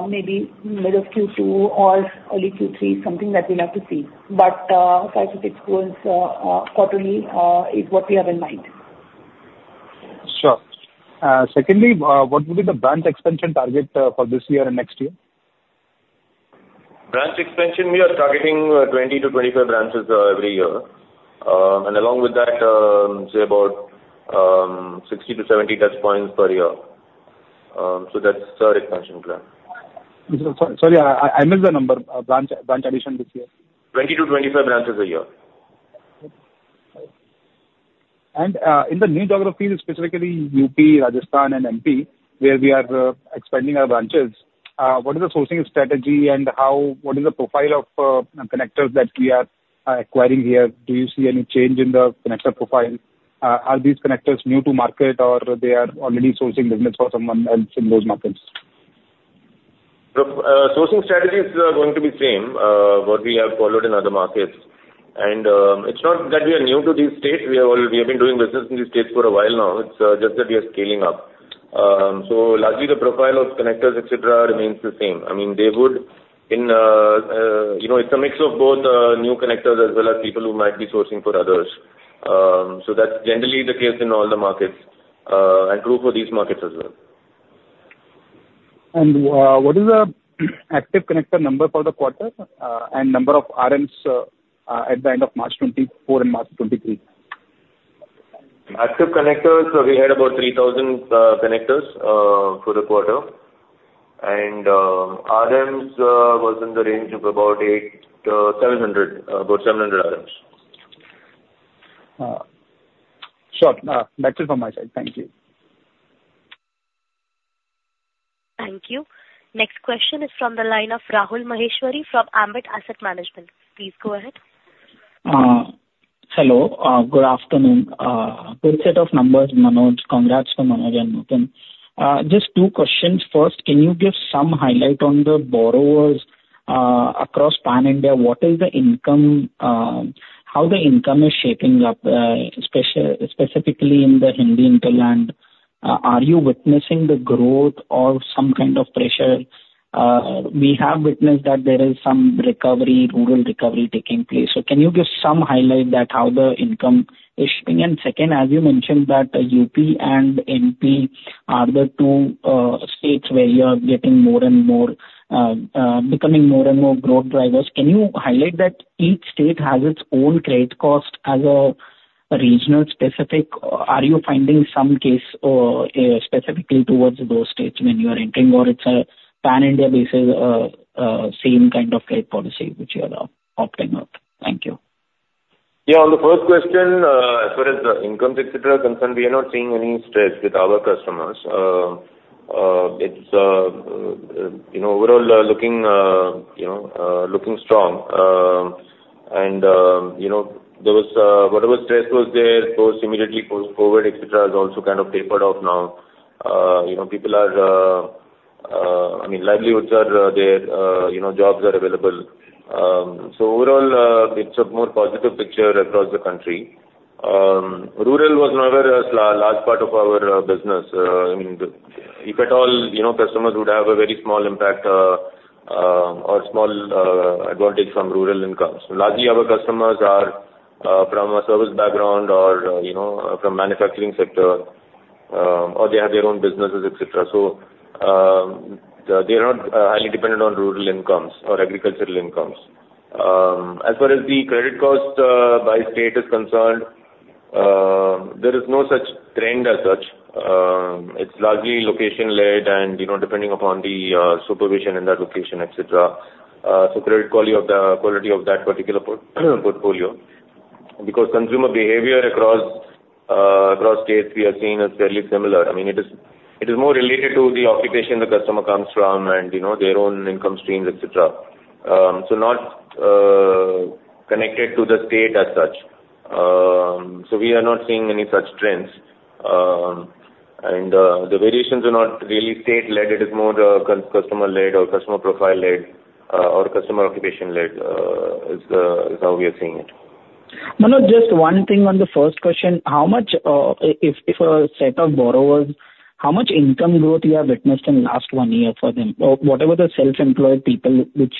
Maybe middle of Q2 or early Q3, something that we'll have to see. But 5 crore-6 crore quarterly is what we have in mind. Sure. Secondly, what would be the branch expansion target for this year and next year? Branch expansion, we are targeting 20-25 branches every year. Along with that, say, about 60-70 touchpoints per year. That's our expansion plan. Sorry. I missed the number, branch addition this year. 20-25 branches a year. In the new geographies, specifically UP, Rajasthan, and MP, where we are expanding our branches, what is the sourcing strategy, and what is the profile of connectors that we are acquiring here? Do you see any change in the connector profile? Are these connectors new to market, or they are already sourcing business for someone else in those markets? Sourcing strategy is going to be the same what we have followed in other markets. And it's not that we are new to these states. We have been doing business in these states for a while now. It's just that we are scaling up. So largely, the profile of connectors, etc., remains the same. I mean, it's a mix of both new connectors as well as people who might be sourcing for others. So that's generally the case in all the markets and true for these states as well. What is the active connector number for the quarter and number of RMs at the end of March 2024 and March 2023? Active connectors, we had about 3,000 connectors for the quarter. RMs was in the range of about 700 RMs. Sure. That's it from my side. Thank you. Thank you. Next question is from the line of Rahul Maheshwari from Ambit Asset Management. Please go ahead. Hello. Good afternoon. Good set of numbers, Manoj. Congrats to Manoj and Nutan. Just two questions. First, can you give some highlight on the borrowers across Pan India? What is the income, how the income is shaping up, specifically in the Hindi hinterland? Are you witnessing the growth or some kind of pressure? We have witnessed that there is some rural recovery taking place. So can you give some highlight that how the income is shaping? And second, as you mentioned that UP and MP are the two states where you are getting more and more becoming more and more growth drivers. Can you highlight that each state has its own credit cost as a regional specific? Are you finding some case specifically towards those states when you are entering, or it's a Pan India-based same kind of credit policy which you are opting up? Thank you. Yeah. On the first question, as far as the incomes, etc., concern, we are not seeing any stress with our customers. It's overall looking strong. And whatever stress was there, immediately post-COVID, etc., has also kind of tapered off now. People are I mean, livelihoods are there. Jobs are available. So overall, it's a more positive picture across the country. Rural was never a large part of our business. I mean, if at all, customers would have a very small impact or small advantage from rural incomes. Largely, our customers are from a service background or from manufacturing sector, or they have their own businesses, etc. So they are not highly dependent on rural incomes or agricultural incomes. As far as the credit cost by state is concerned, there is no such trend as such. It's largely location-led and depending upon the supervision in that location, etc. So credit quality of that particular portfolio because consumer behavior across states, we have seen, is fairly similar. I mean, it is more related to the occupation the customer comes from and their own income streams, etc., so not connected to the state as such. So we are not seeing any such trends. And the variations are not really state-led. It is more customer-led or customer profile-led or customer occupation-led is how we are seeing it. Manoj, just one thing on the first question. If a set of borrowers, how much income growth you have witnessed in the last one year for them? Whatever the self-employed people which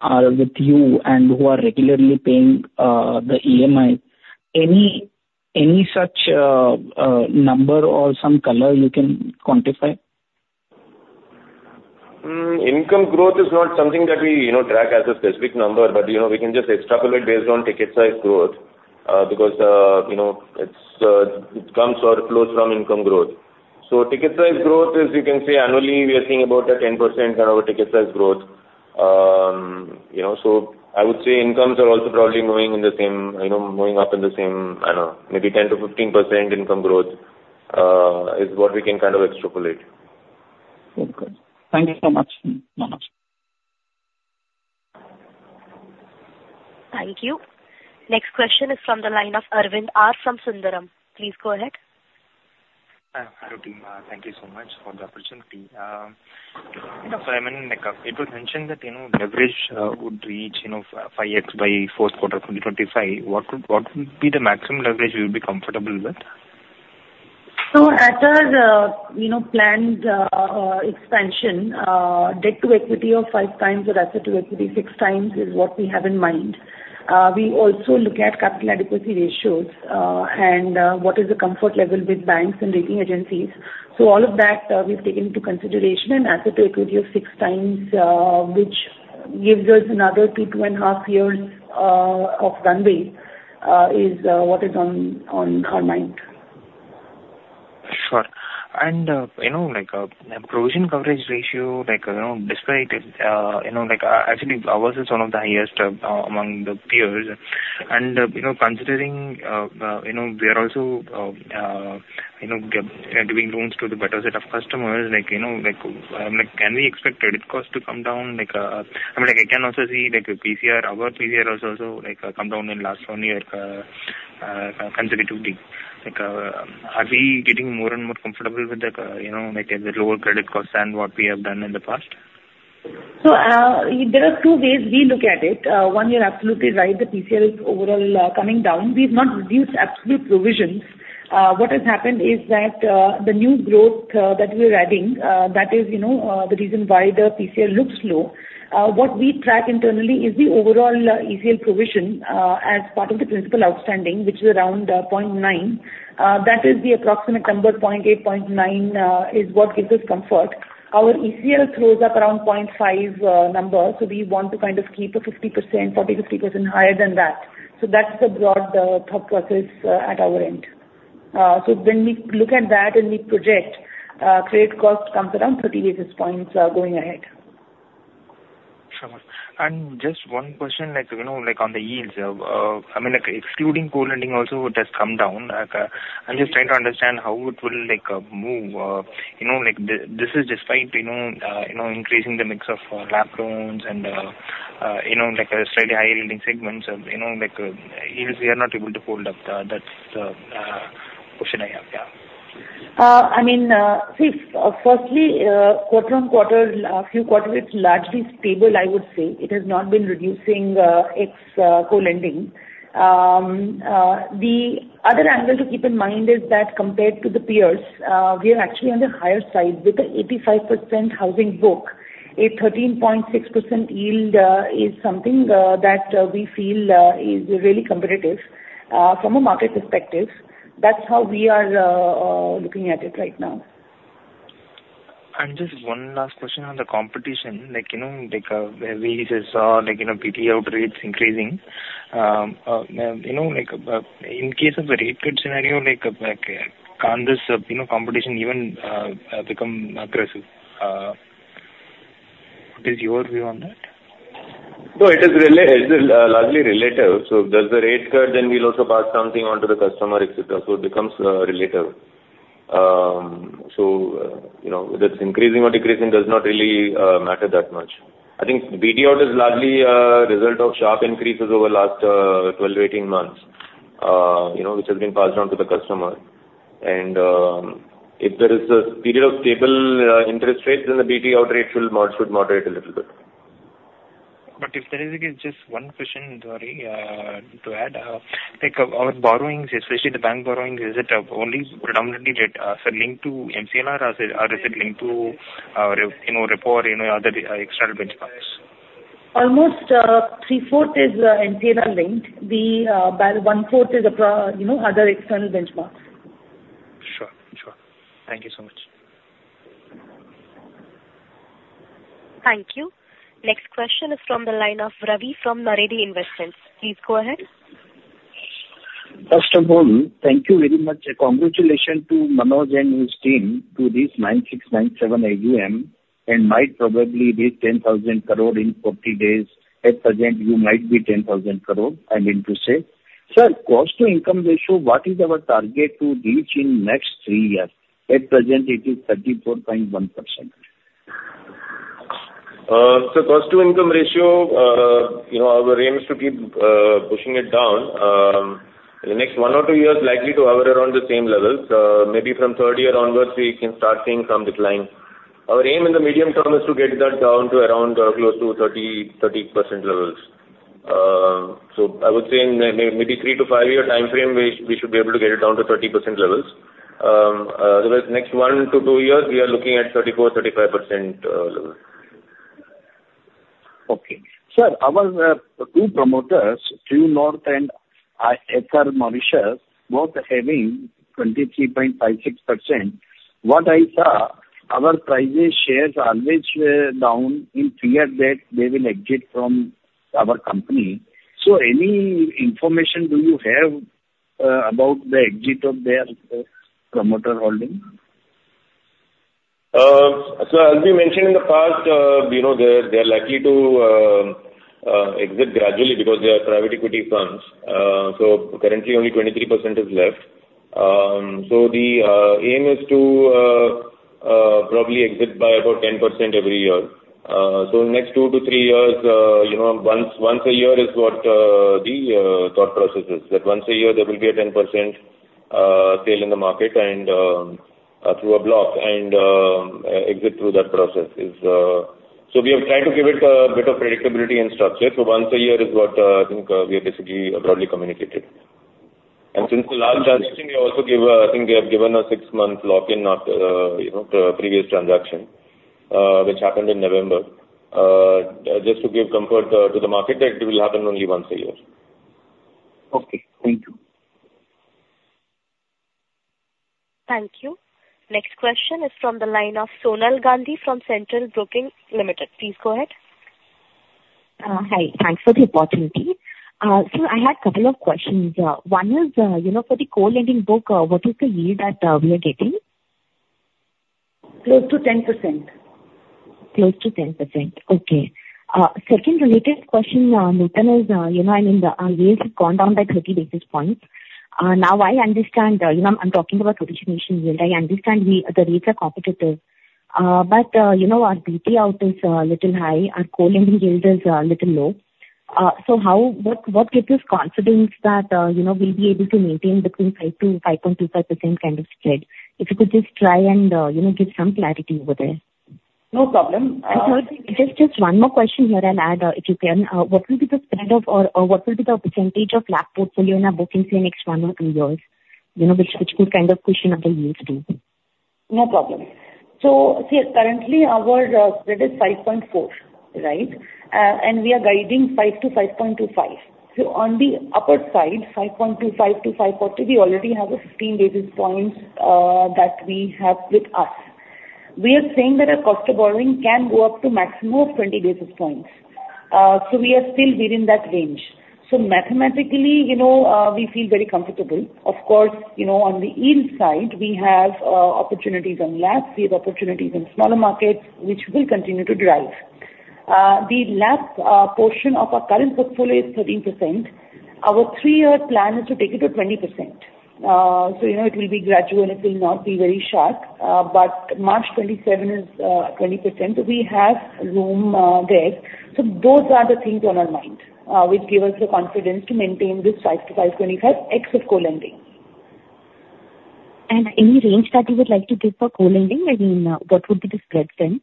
are with you and who are regularly paying the EMI, any such number or some color you can quantify? Income growth is not something that we track as a specific number, but we can just extrapolate based on ticket size growth because it comes or flows from income growth. So ticket size growth is, you can say, annually, we are seeing about a 10% kind of a ticket size growth. So I would say incomes are also probably moving in the same moving up in the same manner. Maybe 10%-15% income growth is what we can kind of extrapolate. Okay. Thank you so much, Manoj. Thank you. Next question is from the line of Arvind R from Sundaram. Please go ahead. Hi, Arvind. Thank you so much for the opportunity. I mean, it was mentioned that leverage would reach 5x by fourth quarter 2025. What would be the maximum leverage you would be comfortable with? As a planned expansion, debt to equity of 5x or asset to equity 6x is what we have in mind. We also look at capital adequacy ratios and what is the comfort level with banks and rating agencies. All of that, we've taken into consideration. Asset to equity of 6x, which gives us another two to 2.5 years of runway, is what is on our mind. Sure. And a provision coverage ratio, despite it actually, ours is one of the highest among the peers. And considering we are also giving loans to the better set of customers, I'm like, "Can we expect credit cost to come down?" I mean, I can also see our PCR also come down in the last one year consecutively. Are we getting more and more comfortable with the lower credit costs than what we have done in the past? So there are two ways we look at it. One, you're absolutely right. The PCR is overall coming down. We've not reduced absolute provisions. What has happened is that the new growth that we're adding, that is the reason why the PCR looks low. What we track internally is the overall ECL provision as part of the principal outstanding, which is around 0.9%. That is the approximate number. 0.8%, 0.9% is what gives us comfort. Our ECL throws up around 0.5% number. So we want to kind of keep a 50%, 40%-50% higher than that. So that's the broad thought process at our end. So when we look at that and we project, credit cost comes around 30 basis points going ahead. Sure. And just one question on the yields. I mean, excluding co-lending also, it has come down. I'm just trying to understand how it will move. This is despite increasing the mix of LAP loans and slightly higher yielding segments. So yields, we are not able to hold up. That's the question I have. Yeah. I mean, firstly, quarter on quarter, a few quarters, it's largely stable, I would say. It has not been reducing ex co-lending. The other angle to keep in mind is that compared to the peers, we are actually on the higher side with an 85% housing book. A 13.6% yield is something that we feel is really competitive from a market perspective. That's how we are looking at it right now. Just one last question on the competition. We just saw BT out rates increasing. In case of a rate cut scenario, can this competition even become aggressive? What is your view on that? No, it is largely relative. So if there's a rate cut, then we'll also pass something on to the customer, etc. So it becomes relative. So whether it's increasing or decreasing does not really matter that much. I think the BT out is largely a result of sharp increases over the last 12-18 months, which has been passed on to the customer. And if there is a period of stable interest rates, then the BT out rate should moderate a little bit. If there is just one question, sorry, to add. Our borrowings, especially the bank borrowings, is it only predominantly linked to MCLR, or is it linked to repo or other external benchmarks? Almost 3/4 is MCLR-linked. 1/4 is other external benchmarks. Sure. Sure. Thank you so much. Thank you. Next question is from the line of Ravi from Naredi Investments. Please go ahead. First of all, thank you very much. Congratulations to Manoj and his team to this 9,697 crore AUM and might probably reach 10,000 crore in 40 days. At present, you might be 10,000 crore and into sales. Sir, cost-to-income ratio, what is our target to reach in the next three years? At present, it is 34.1%. So cost-to-income ratio, our aim is to keep pushing it down. In the next one or two years, likely to hover around the same levels. Maybe from third year onwards, we can start seeing some decline. Our aim in the medium term is to get that down to around close to 30% levels. So I would say maybe three to five year time frame, we should be able to get it down to 30% levels. Otherwise, next one to two years, we are looking at 34%-35% level. Okay. Sir, our two promoters, True North and Aether Mauritius, both having 23.56%. What I saw, our share prices are always down in fear that they will exit from our company. So any information do you have about the exit of their promoter holding? So as we mentioned in the past, they are likely to exit gradually because they are private equity funds. So currently, only 23% is left. So the aim is to probably exit by about 10% every year. So next two to three years, once a year is what the thought process is, that once a year, there will be a 10% sale in the market through a block and exit through that process. So we have tried to give it a bit of predictability and structure. So once a year is what I think we have basically broadly communicated. And since the last transaction, we also give I think they have given a six month lock-in after the previous transaction, which happened in November, just to give comfort to the market that it will happen only once a year. Okay. Thank you. Thank you. Next question is from the line of Sonal Gandhi from Centrum Broking Limited. Please go ahead. Hi. Thanks for the opportunity. So I had a couple of questions. One is for the co-lending book, what is the yield that we are getting? Close to 10%. Close to 10%. Okay. Second related question, Manoj. I mean, our yields have gone down by 30 basis points. Now, I understand. I'm talking about origination yield. I understand the rates are competitive. But our BT out is a little high. Our co-lending yield is a little low. So what gives us confidence that we'll be able to maintain between 5%-5.25% kind of spread? If you could just try and give some clarity over there. No problem. Sir, just one more question here I'll add, if you can. What will be the spread of or what will be the percentage of LAP portfolio in our bookings in the next one or two years, which could kind of cushion up the yields too? No problem. So see, currently, our spread is 5.4%, right? And we are guiding 5%-5.25%. So on the upper side, 5.25%-5.40% we already have a 15 basis points that we have with us. We are saying that our cost of borrowing can go up to a maximum of 20 basis points. So we are still within that range. So mathematically, we feel very comfortable. Of course, on the yield side, we have opportunities on LAPs. We have opportunities in smaller markets, which will continue to drive. The LAP portion of our current portfolio is 13%. Our three-year plan is to take it to 20%. So it will be gradual. It will not be very sharp. But March 2027 is 20%. So we have room there. So those are the things on our mind, which give us the confidence to maintain this 5%-5.25% ex co-lending. Any range that you would like to give for co-lending? I mean, what would be the spread then?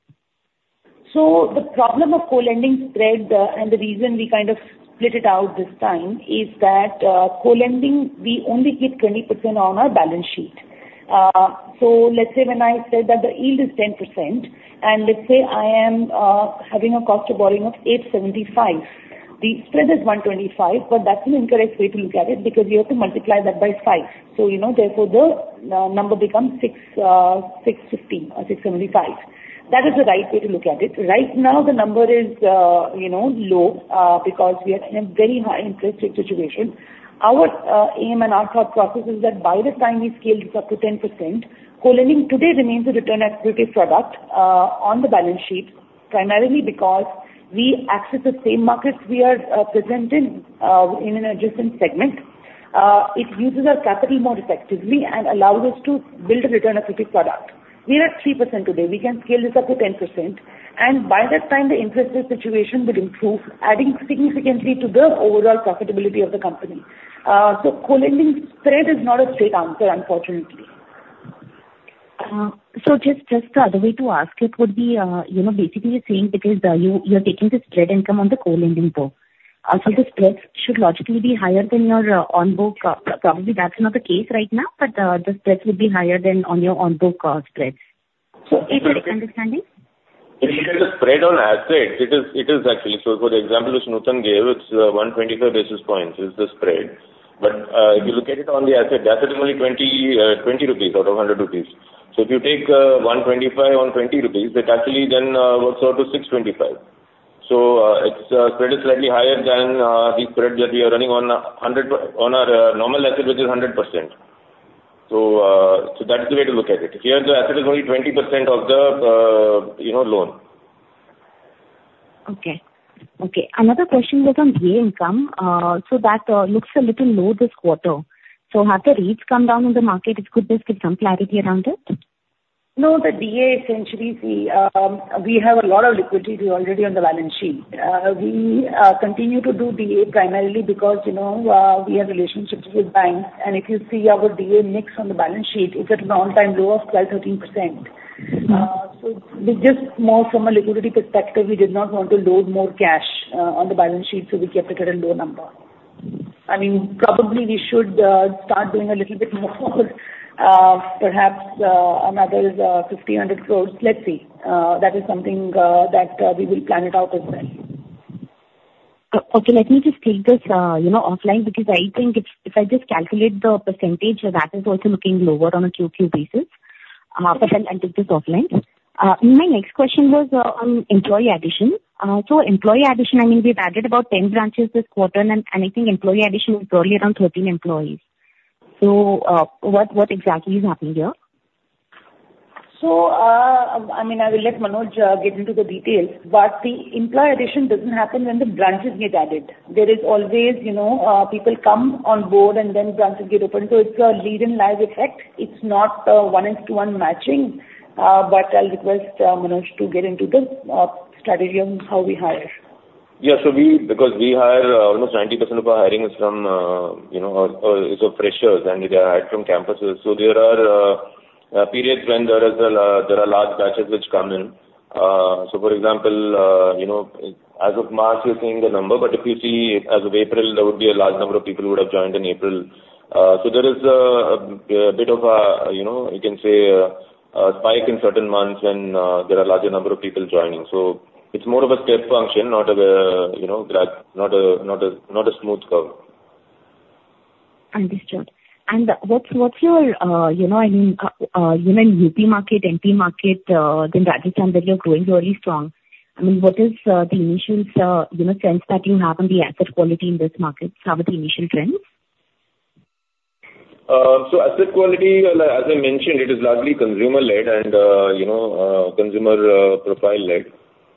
So the problem of co-lending spread and the reason we kind of split it out this time is that co-lending, we only keep 20% on our balance sheet. So let's say when I said that the yield is 10%, and let's say I am having a cost of borrowing of 8.75% the spread is 1.25%,but that's an incorrect way to look at it because you have to multiply that by 5%. So therefore, the number becomes 6.50% or 6.75%. That is the right way to look at it. Right now, the number is low because we are in a very high-interest rate situation. Our aim and our thought process is that by the time we scale this up to 10%, co-lending today remains a return-activity product on the balance sheet, primarily because we access the same markets we are present in an adjacent segment. It uses our capital more effectively and allows us to build a return-accretive product. We are at 3% today. We can scale this up to 10%. By that time, the interest rate situation will improve, adding significantly to the overall profitability of the company. Co-lending spread is not a straight answer, unfortunately. Just the other way to ask it would be basically saying because you're taking the spread income on the co-lending book. The spreads should logically be higher than your on-book probably, that's not the case right now, but the spreads would be higher than on your on-book spreads. Is that understanding? If you get the spread on assets, it is actually. So for the example which Nutan gave, it's 125 basis points is the spread. But if you look at it on the asset, that's only 20 out of 100 rupees. So if you take 125 basis points on 20 rupees, it actually then works out to 6.25%. So the spread is slightly higher than the spread that we are running on our normal asset, which is 100%. So that's the way to look at it. Here, the asset is only 20% of the loan. Okay. Okay. Another question was on DA income. So that looks a little low this quarter. So have the rates come down in the market? If you could just give some clarity around it. No, the DA, essentially, see, we have a lot of liquidity already on the balance sheet. We continue to do DA primarily because we have relationships with banks. And if you see our DA mix on the balance sheet, it's at an all-time low of 12%-13%. So just more from a liquidity perspective, we did not want to load more cash on the balance sheet, so we kept it at a low number. I mean, probably, we should start doing a little bit more, perhaps another 50 crore-100 crore. Let's see. That is something that we will plan it out as well. Okay. Let me just take this offline because I think if I just calculate the percentage, that is also looking lower on a QQ basis. But then I'll take this offline. My next question was on employee addition. So employee addition, I mean, we've added about 10 branches this quarter, and I think employee addition is probably around 13 employees. So what exactly is happening here? So I mean, I will let Manoj get into the details. But the employee addition doesn't happen when the branches get added. There is always people come on board, and then branches get open. So it's a lead-in live effect. It's not one-to-one matching. But I'll request Manoj to get into the strategy on how we hire. Yeah. So because we hire, almost 90% of our hiring is from, it's from freshers, and they are hired from campuses. So there are periods when there are large batches which come in. So for example, as of March, you're seeing the number. But if you see as of April, there would be a large number of people who would have joined in April. So there is a bit of a, you can say, spike in certain months when there are a larger number of people joining. So it's more of a step function, not a smooth curve. Understood. And what's your, I mean, you're in UP market, MP market, then Rajasthan, where you're growing very strong. I mean, what is the initial sense that you have on the asset quality in this market? Some of the initial trends? So asset quality, as I mentioned, it is largely consumer-led and consumer-profile-led.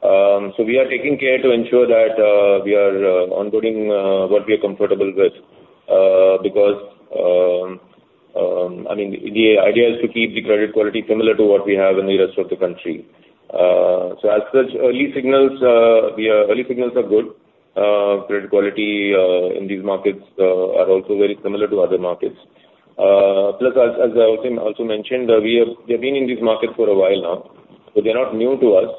So we are taking care to ensure that we are onboarding what we are comfortable with because I mean, the idea is to keep the credit quality similar to what we have in the rest of the country. So as such, early signals are good. Credit quality in these markets are also very similar to other markets. Plus, as I also mentioned, they've been in these markets for a while now. So they're not new to us.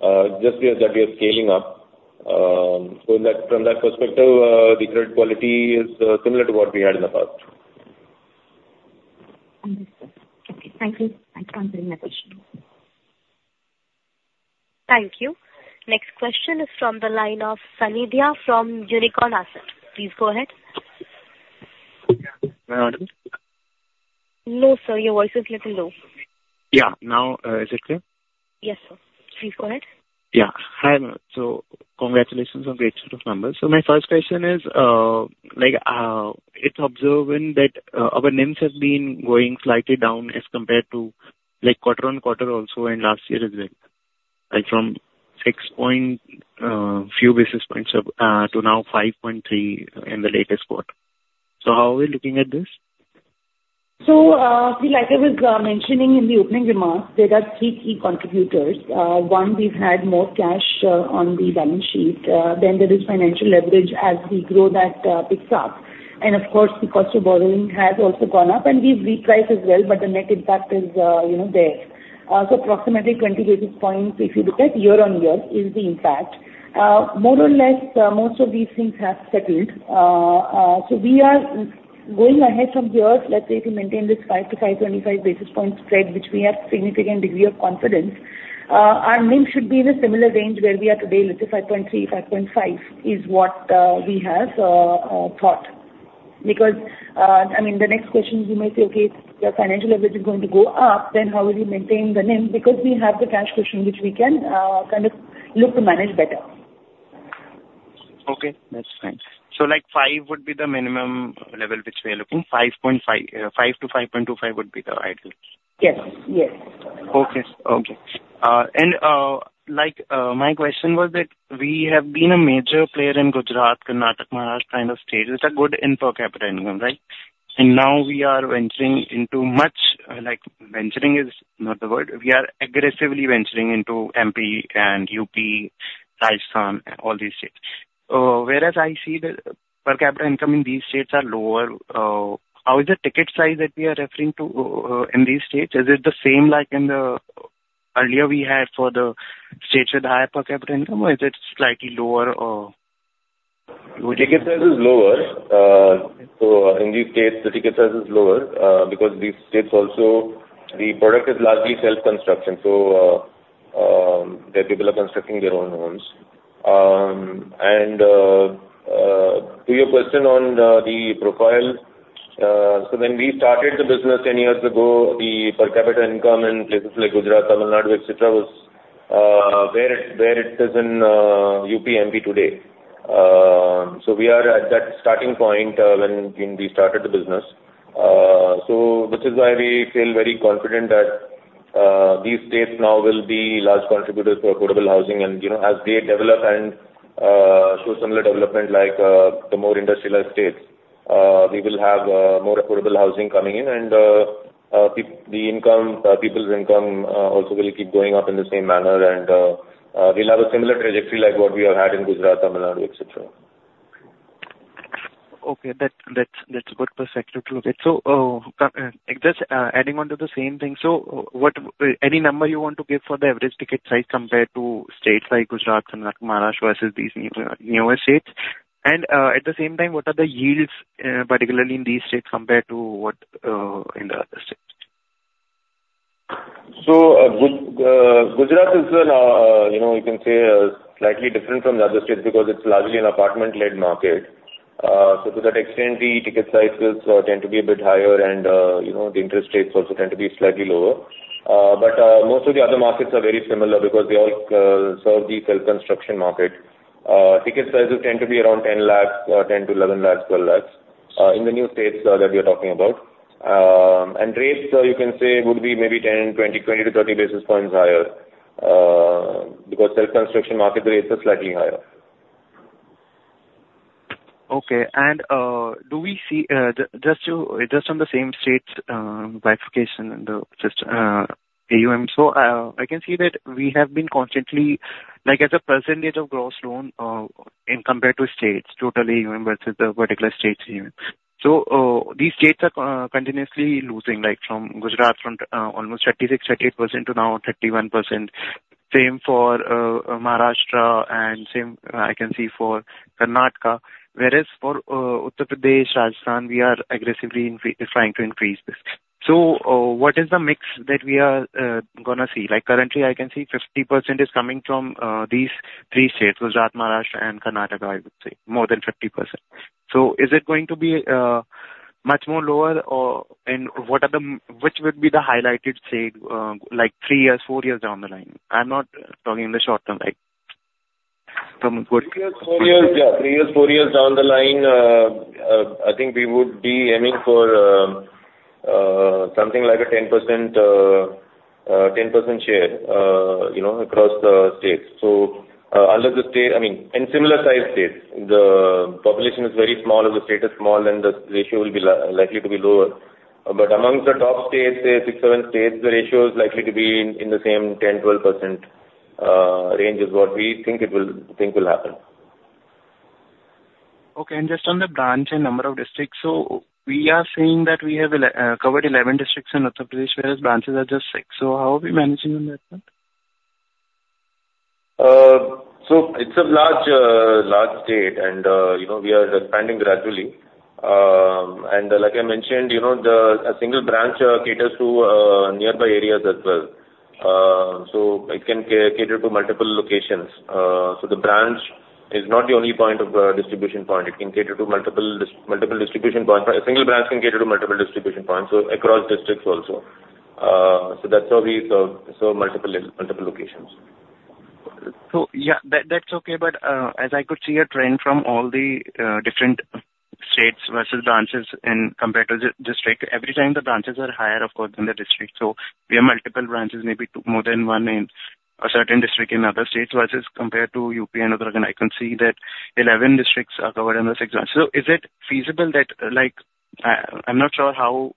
It's just that we are scaling up. So from that perspective, the credit quality is similar to what we had in the past. Understood. Okay. Thank you. Thanks for answering my question. Thank you. Next question is from the line of Sanidhya from Unicorn Asset. Please go ahead. Yeah. Go ahead, Madam. No, sir. Your voice is a little low. Yeah. Now, is it clear? Yes, sir. Please go ahead. Yeah. Hi, Madam. So congratulations on great set of numbers. So my first question is, it's observing that our NIMS have been going slightly down as compared to quarter-on-quarter also and last year as well, from six point-few basis points to now 5.3% in the latest quarter. So how are we looking at this? So like I was mentioning in the opening remarks, there are three key contributors. One, we've had more cash on the balance sheet. Then there is financial leverage as we grow that picks up. And of course, the cost of borrowing has also gone up, and we've repriced as well, but the net impact is there. So approximately 20 basis points, if you look at year-on-year, is the impact. More or less, most of these things have settled. So we are going ahead from here, let's say, to maintain this 5-5.25 basis point spread, which we have a significant degree of confidence. Our NIMS should be in a similar range where we are today. Let's say 5.3-5.5 is what we have thought because I mean, the next question, you may say, "Okay. The financial leverage is going to go up. Then how will we maintain the NIMS? Because we have the cash cushion, which we can kind of look to manage better. Okay. That's fine. So five would be the minimum level which we are looking. 5-5.25 would be the ideal. Yes. Yes. Okay. Okay. And my question was that we have been a major player in Gujarat, Karnataka, Maharashtra kind of states. It's good per capita income, right? And now, we are venturing into much venturing is not the word. We are aggressively venturing into MP and UP, Rajasthan, all these states. Whereas I see the per capita income in these states are lower. How is the ticket size that we are referring to in these states? Is it the same like in the earlier we had for the states with higher per capita income, or is it slightly lower? The ticket size is lower. So in these states, the ticket size is lower because these states also the product is largely self-construction. So they're able to construct their own homes. And to your question on the profile, so when we started the business 10 years ago, the per-capita income in places like Gujarat, Tamil Nadu, etc., was where it is in UP, MP today. So we are at that starting point when we started the business, which is why we feel very confident that these states now will be large contributors to affordable housing. And as they develop and show similar development like the more industrialized states, we will have more affordable housing coming in, and the income, people's income, also will keep going up in the same manner. And we'll have a similar trajectory like what we have had in Gujarat, Tamil Nadu, etc. Okay. That's a good perspective to look at. So just adding onto the same thing, so any number you want to give for the average ticket size compared to states like Gujarat, Karnataka, Maharashtra versus these newer states? And at the same time, what are the yields, particularly in these states, compared to what in the other states? So Gujarat is, you can say, slightly different from the other states because it's largely an apartment-led market. So to that extent, the ticket sizes tend to be a bit higher, and the interest rates also tend to be slightly lower. But most of the other markets are very similar because they all serve the self-construction market. Ticket sizes tend to be around 10 lakhs, 10 lakhs-11 lakhs, 12 lakhs in the new states that we are talking about. And rates, you can say, would be maybe 20-30 basis points higher because self-construction market rates are slightly higher. Okay. And do we see just on the same states verification in the system, AUM? So I can see that we have been constantly as a percentage of gross loan in compared to states, total AUM versus the particular states' AUM. So these states are continuously losing from Gujarat, from almost 36%-38% to now 31%. Same for Maharashtra, and I can see for Karnataka. Whereas for Uttar Pradesh, Rajasthan, we are aggressively trying to increase this. So what is the mix that we are going to see? Currently, I can see 50% is coming from these three states, Gujarat, Maharashtra, and Karnataka, I would say, more than 50%. So is it going to be much more lower, or what are the which would be the highlighted state three years, four years down the line? I'm not talking in the short term, from a good. Three years, four years, yeah. Three years, four years down the line, I think we would be aiming for something like a 10% share across the states. So under the state I mean, in similar-sized states, the population is very small, or the state is small, and the ratio will be likely to be lower. But amongst the top states, say, six, seven states, the ratio is likely to be in the same 10%-12% range is what we think will happen. Okay. Just on the branch and number of districts, so we are saying that we have covered 11 districts in Uttar Pradesh, whereas branches are just six. How are we managing on that front? It's a large state, and we are expanding gradually. Like I mentioned, a single branch caters to nearby areas as well. It can cater to multiple locations. The branch is not the only point of distribution point. It can cater to multiple distribution points. A single branch can cater to multiple distribution points across districts also. That's how we serve multiple locations. So yeah, that's okay. But as I could see a trend from all the different states versus branches in compared to district, every time the branches are higher, of course, in the district. So we have multiple branches, maybe more than one in a certain district in other states versus compared to U.P. and Uttar Pradesh. And I can see that 11 districts are covered in the six branches. So is it feasible that I'm not sure how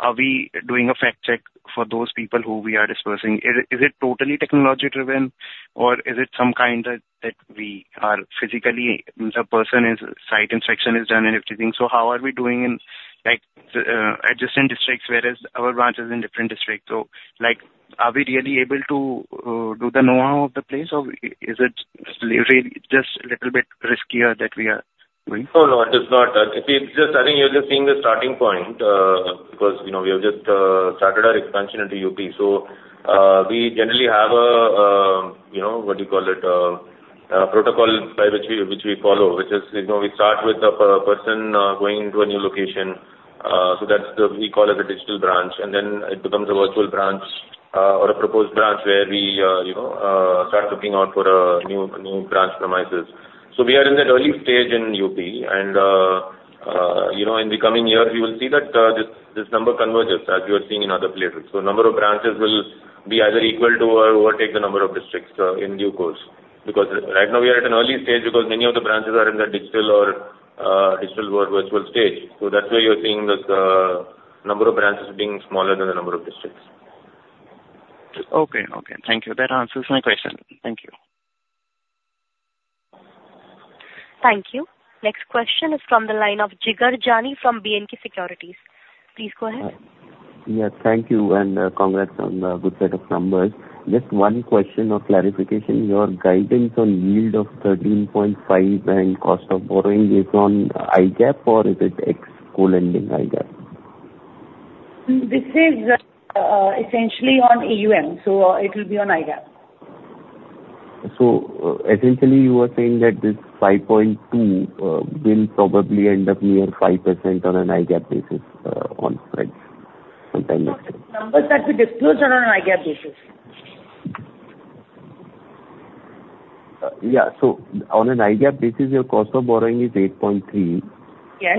are we doing a fact-check for those people who we are dispersing. Is it totally technology-driven, or is it some kind that we are physically the person is site inspection is done and everything? So how are we doing in adjacent districts whereas our branch is in different districts? So are we really able to do the know-how of the place, or is it just a little bit riskier that we are doing? Oh, no. It is not. I think you're just seeing the starting point because we have just started our expansion into UP. So we generally have a what do you call it? Protocol by which we follow, which is we start with a person going into a new location. So that's what we call as a digital branch. And then it becomes a virtual branch or a proposed branch where we start looking out for new branch premises. So we are in that early stage in UP. And in the coming years, we will see that this number converges as we are seeing in other places. So number of branches will be either equal to or overtake the number of districts in due course because right now, we are at an early stage because many of the branches are in that digital or virtual stage. So that's where you're seeing the number of branches being smaller than the number of districts. Okay. Okay. Thank you. That answers my question. Thank you. Thank you. Next question is from the line of Jigar Jani from B&K Securities. Please go ahead. Yes. Thank you, and congrats on the good set of numbers. Just one question of clarification. Your guidance on yield of 13.5% and cost of borrowing is on IGAAP, or is it ex-co-lending IGAAP? This is essentially on AUM. So it will be on IGAAP. So essentially, you were saying that this 5.2% will probably end up near 5% on an IGAAP basis on spreads sometime next year. Numbers that we disclosed are on an IGAAP basis. Yeah. So on an IGAAP basis, your cost of borrowing is 8.3%,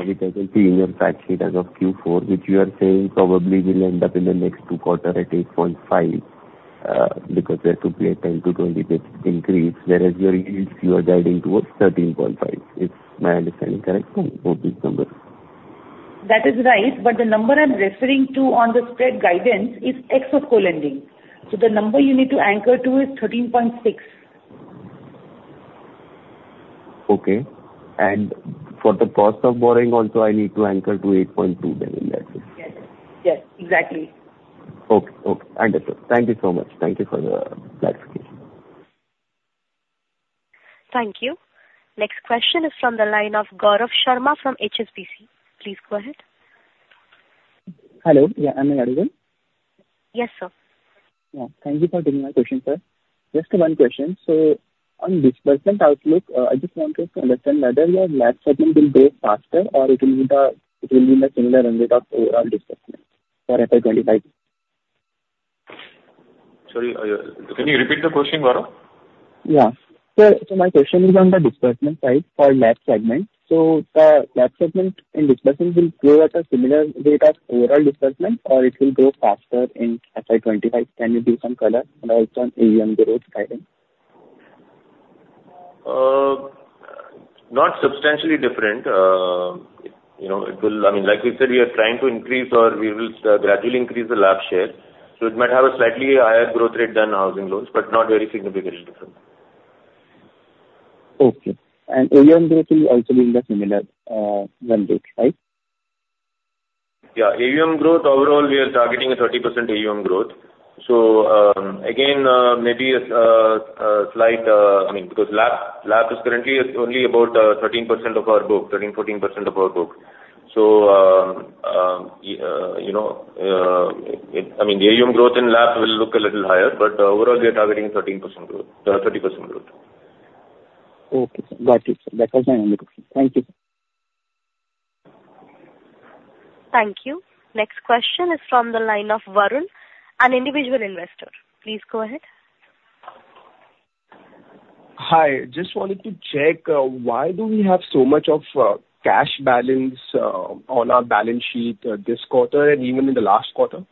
which I can see in your fact sheet as of Q4, which you are saying probably will end up in the next two quarters at 8.5% because there could be a 10-20 basis point increase. Whereas your yields, you are guiding towards 13.5%. Is my understanding correct on these numbers? That is right. But the number I'm referring to on the spread guidance is ex of co-lending. So the number you need to anchor to is 13.6%. Okay. And for the cost of borrowing also, I need to anchor to 8.2% then in that sense. Yes. Yes. Exactly. Okay. Okay. Understood. Thank you so much. Thank you for the clarification. Thank you. Next question is from the line of Gaurav Sharma from HSBC. Please go ahead. Hello. Yeah. Am I audible? Yes, sir. Yeah. Thank you for taking my question, sir. Just one question. So on disbursement outlook, I just wanted to understand whether your LAP segment will go faster, or it will be in the similar range of overall disbursement for FY 2025? Sorry. Can you repeat the question, Gaurav? Yeah. So my question is on the disbursement side for LAP segment. So the LAP segment in disbursement will go at a similar rate of overall disbursement, or it will go faster in FY 2025? Can you give some color and also on AUM growth guidance? Not substantially different. I mean, like we said, we are trying to increase, or we will gradually increase the LAP share. So it might have a slightly higher growth rate than housing loans, but not very significantly different. Okay. AUM growth will also be in the similar run rate, right? Yeah. AUM growth, overall, we are targeting a 30% AUM growth. So again, maybe a slight, I mean, because LAP is currently only about 13% of our book, 13%-14% of our book. So I mean, the AUM growth in LAP will look a little higher, but overall, we are targeting 30% growth. Okay. Got it, sir. That was my only question. Thank you, sir. Thank you. Next question is from the line of Varun, an individual investor. Please go ahead. Hi. Just wanted to check, why do we have so much of cash balance on our balance sheet this quarter and even in the last quarter?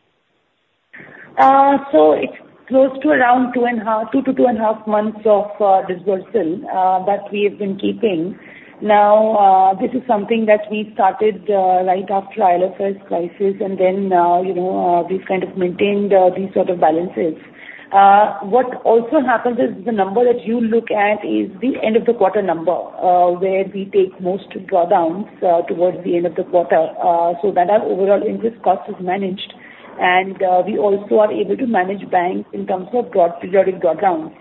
So it's close to around 2.5, 2-2.5 months of disbursal that we have been keeping. Now, this is something that we started right after IL&FS crisis, and then we've kind of maintained these sort of balances. What also happens is the number that you look at is the end-of-the-quarter number where we take most drawdowns towards the end of the quarter so that our overall interest cost is managed. And we also are able to manage banks in terms of periodic drawdowns.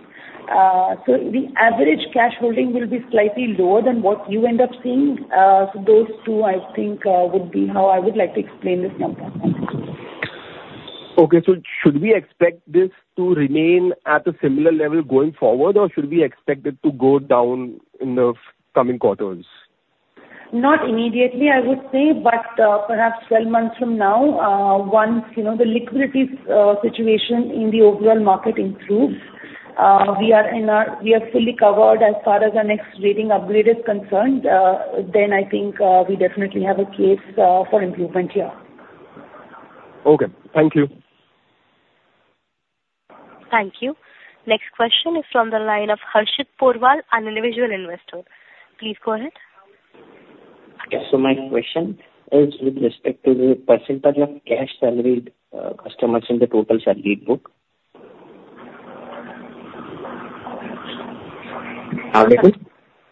So the average cash holding will be slightly lower than what you end up seeing. So those two, I think, would be how I would like to explain this number. Okay. So should we expect this to remain at a similar level going forward, or should we expect it to go down in the coming quarters? Not immediately, I would say, but perhaps 12 months from now, once the liquidity situation in the overall market improves, we are fully covered as far as our next rating upgrade is concerned, then I think we definitely have a case for improvement here. Okay. Thank you. Thank you. Next question is from the line of Harshit Porwal, an individual investor. Please go ahead. Okay. My question is with respect to the percentage of cash salaried customers in the total salaried book.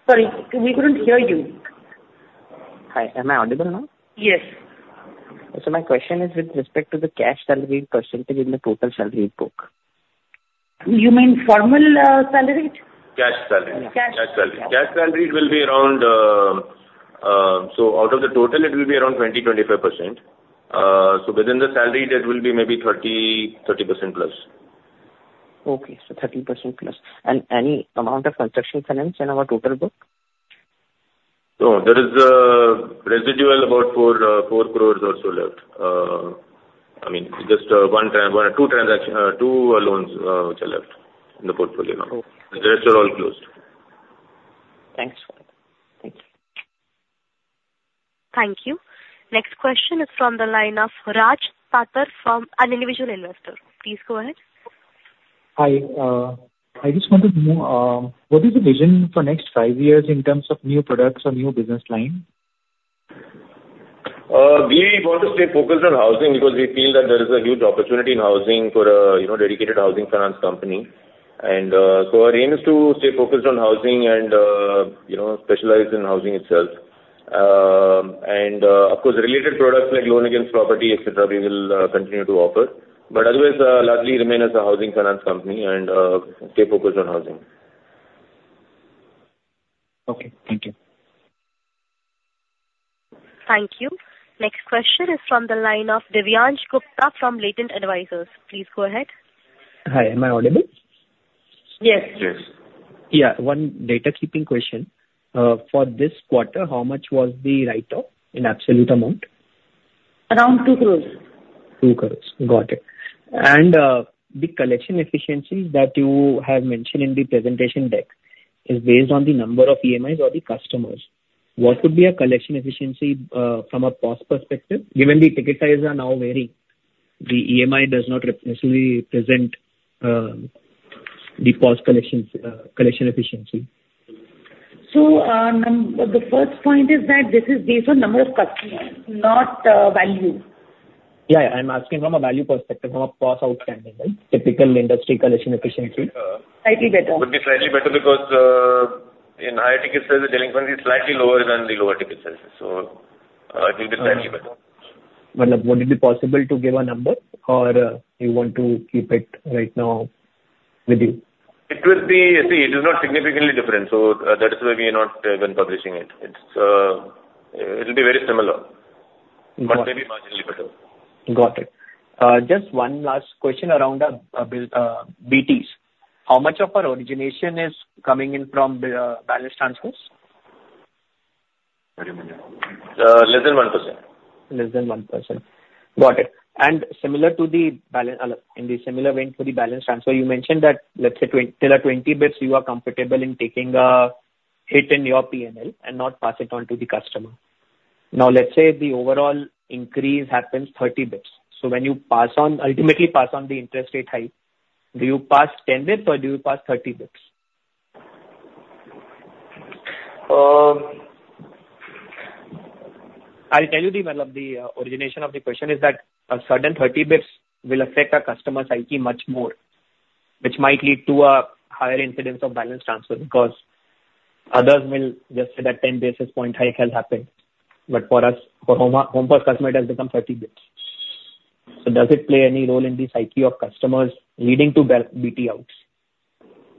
Sorry. We couldn't hear you. Hi. Am I audible now? Yes. My question is with respect to the cash salaried percentage in the total salaried book. You mean formal salaried? Cash salaried. Cash salaried will be around, so out of the total, it will be around 20%-25%. So within the salaried, it will be maybe 30%+. Okay. So 30%+. And any amount of construction finance in our total book? No. There is residual about 4 crore or so left. I mean, just two loans which are left in the portfolio. The rest are all closed. Thanks, sir. Thank you. Thank you. Next question is from the line of Raj Patar from an individual investor. Please go ahead. Hi. I just wanted to know, what is the vision for next five years in terms of new products or new business line? We want to stay focused on housing because we feel that there is a huge opportunity in housing for a dedicated housing finance company. And so our aim is to stay focused on housing and specialize in housing itself. And of course, related products like loan against property, etc., we will continue to offer. But otherwise, largely remain as a housing finance company and stay focused on housing. Okay. Thank you. Thank you. Next question is from the line of Divyansh Gupta from Latent Advisors. Please go ahead. Hi. Am I audible? Yes. Yes. Yeah. One data-keeping question. For this quarter, how much was the write-off in absolute amount? Around 2 crore. 2 crore. Got it. And the collection efficiencies that you have mentioned in the presentation deck is based on the number of EMIs or the customers. What would be a collection efficiency from a POS perspective? Given the ticket size are now varying, the EMI does not necessarily represent the POS collection efficiency. The first point is that this is based on number of customers, not value. Yeah. Yeah. I'm asking from a value perspective, from a POS outstanding, right? Typical industry collection efficiency. Slightly better. Would be slightly better because in higher ticket sizes, delinquency is slightly lower than the lower ticket sizes. So it will be slightly better. What would be possible to give a number, or you want to keep it right now with you? It will be, see, it is not significantly different. So that is why we are not even publishing it. It will be very similar, but maybe marginally better. Got it. Just one last question around BTs. How much of our origination is coming in from balance transfers? Very minimal. Less than 1%. Less than 1%. Got it. And similar to the balance, in a similar vein, for the balance transfer, you mentioned that, let's say, till 20 basis points, you are comfortable in taking a hit in your P&L and not pass it on to the customer. Now, let's say the overall increase happens 30 basis points. So when you ultimately pass on the interest rate hike, do you pass 10 basis points, or do you pass 30 basis points? I'll tell you the origin of the question is that a sudden 30 basis points will affect a customer's EMI much more, which might lead to a higher incidence of balance transfer because others will just say that 10 basis point hike has happened. But for us, for Home First, customer has become 30 basis points. So does it play any role in the psyche of customers leading to BT outs?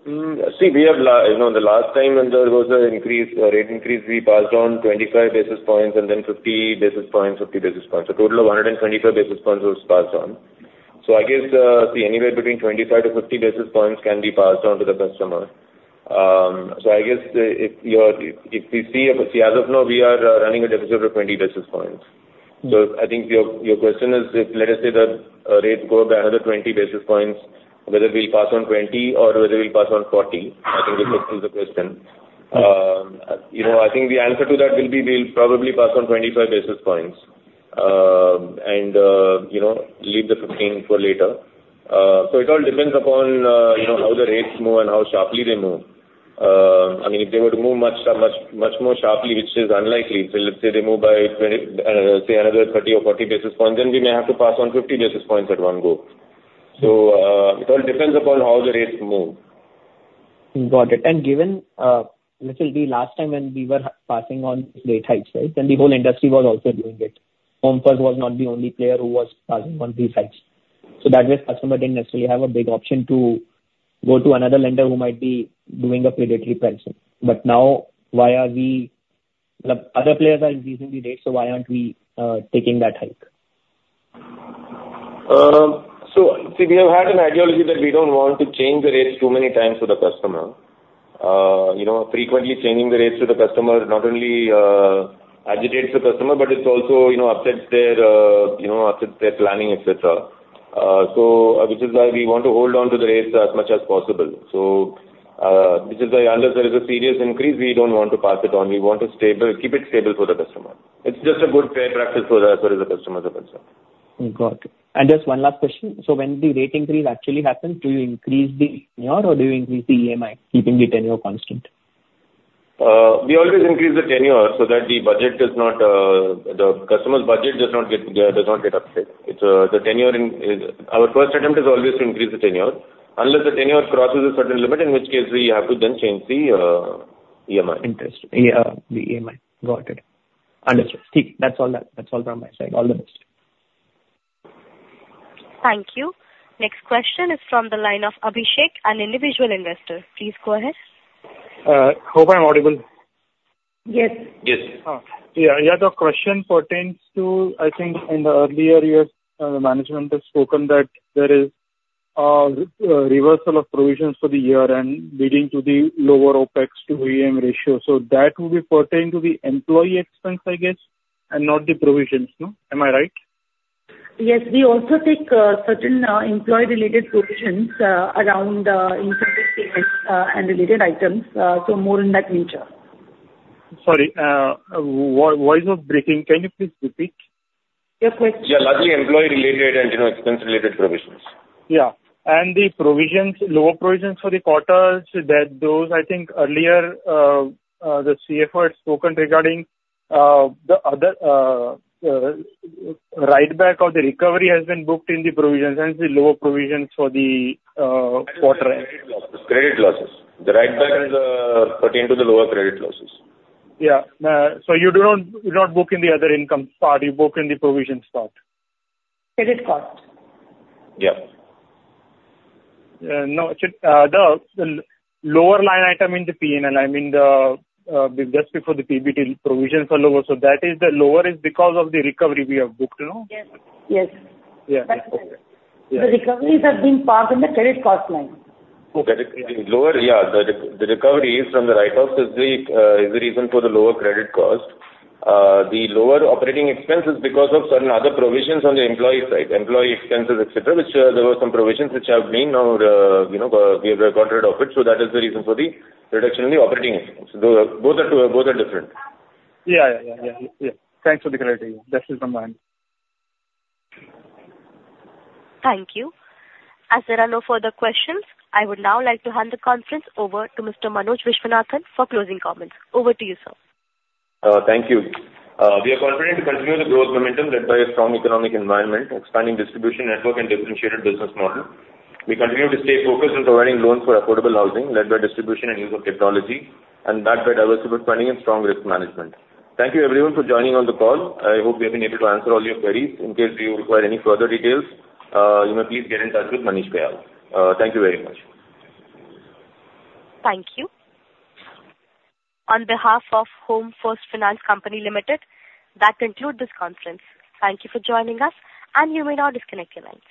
See, the last time when there was a rate increase, we passed on 25 basis points and then 50 basis points, 50 basis points. So total of 125 basis points was passed on. So I guess, see, anywhere between 25-50 basis points can be passed on to the customer. So I guess if we see a see, as of now, we are running a deficit of 20 basis points. So I think your question is if, let us say, the rates go up by another 20 basis points, whether we'll pass on 20 or whether we'll pass on 40, I think is the question. I think the answer to that will be we'll probably pass on 25 basis points and leave the 15 for later. So it all depends upon how the rates move and how sharply they move. I mean, if they were to move much more sharply, which is unlikely, so let's say they move by, say, another 30 or 40 basis points, then we may have to pass on 50 basis points at one go. So it all depends upon how the rates move. Got it. And given, let's say, the last time when we were passing on rate hikes, right, then the whole industry was also doing it. Home First was not the only player who was passing on these hikes. So that way, customer didn't necessarily have a big option to go to another lender who might be doing a predatory pricing. But now, why are we other players are increasing the rates, so why aren't we taking that hike? So see, we have had an ideology that we don't want to change the rates too many times to the customer. Frequently changing the rates to the customer not only agitates the customer, but it also upsets their planning, etc., which is why we want to hold on to the rates as much as possible. So which is why I understand there is a serious increase. We don't want to pass it on. We want to keep it stable for the customer. It's just a good fair practice for us, as far as the customers are concerned. Got it. Just one last question. When the rate increase actually happens, do you increase the tenure, or do you increase the EMI, keeping the tenure constant? We always increase the tenure so that the customer's budget does not get upset. Our first attempt is always to increase the tenure unless the tenure crosses a certain limit, in which case we have to then change the EMI. Interesting. The EMI. Got it. Understood. See, that's all from my side. All the best. Thank you. Next question is from the line of Abhishek, an individual investor. Please go ahead. Hope I'm audible. Yes. Yes. Yeah. Your question pertains to, I think, in the earlier years, the management has spoken that there is a reversal of provisions for the year-end leading to the lower OpEx to EM ratio. So that will be pertaining to the employee expense, I guess, and not the provisions, no? Am I right? Yes. We also take certain employee-related provisions around incentive payments and related items, so more in that nature. Sorry. Voice was breaking. Can you please repeat your question? Yeah. Largely employee-related and expense-related provisions. Yeah. And the lower provisions for the quarters, those, I think, earlier the CFO had spoken regarding the other write-back or the recovery has been booked in the provisions, hence the lower provisions for the quarter-end. Credit losses. The write-back is pertaining to the lower credit losses. Yeah. You do not book in the other income part. You book in the provisions part. Credit cost. Yeah. No. The lower line item in the P&L, I mean, just before the PBT, provisions are lower. So that is the lower is because of the recovery we have booked, no? Yes. Yes. Yeah. The recoveries have been passed in the credit cost line. Yeah. The recovery from the write-offs is the reason for the lower credit cost. The lower operating expense is because of certain other provisions on the employee side, employee expenses, etc., which there were some provisions which have been now we have got rid of it. So that is the reason for the reduction in the operating expense. Both are different. Yeah. Yeah. Yeah. Yeah. Yeah. Thanks for the clarity. That's it from my end. Thank you. As there are no further questions, I would now like to hand the conference over to Mr. Manoj Viswanathan for closing comments. Over to you, sir. Thank you. We are confident to continue the growth momentum led by a strong economic environment, expanding distribution network, and differentiated business model. We continue to stay focused on providing loans for affordable housing led by distribution and use of technology, and that by diversified funding and strong risk management. Thank you, everyone, for joining on the call. I hope we have been able to answer all your queries. In case you require any further details, you may please get in touch with Manish Kayal. Thank you very much. Thank you. On behalf of Home First Finance Company Limited, that concludes this conference. Thank you for joining us, and you may now disconnect your lines.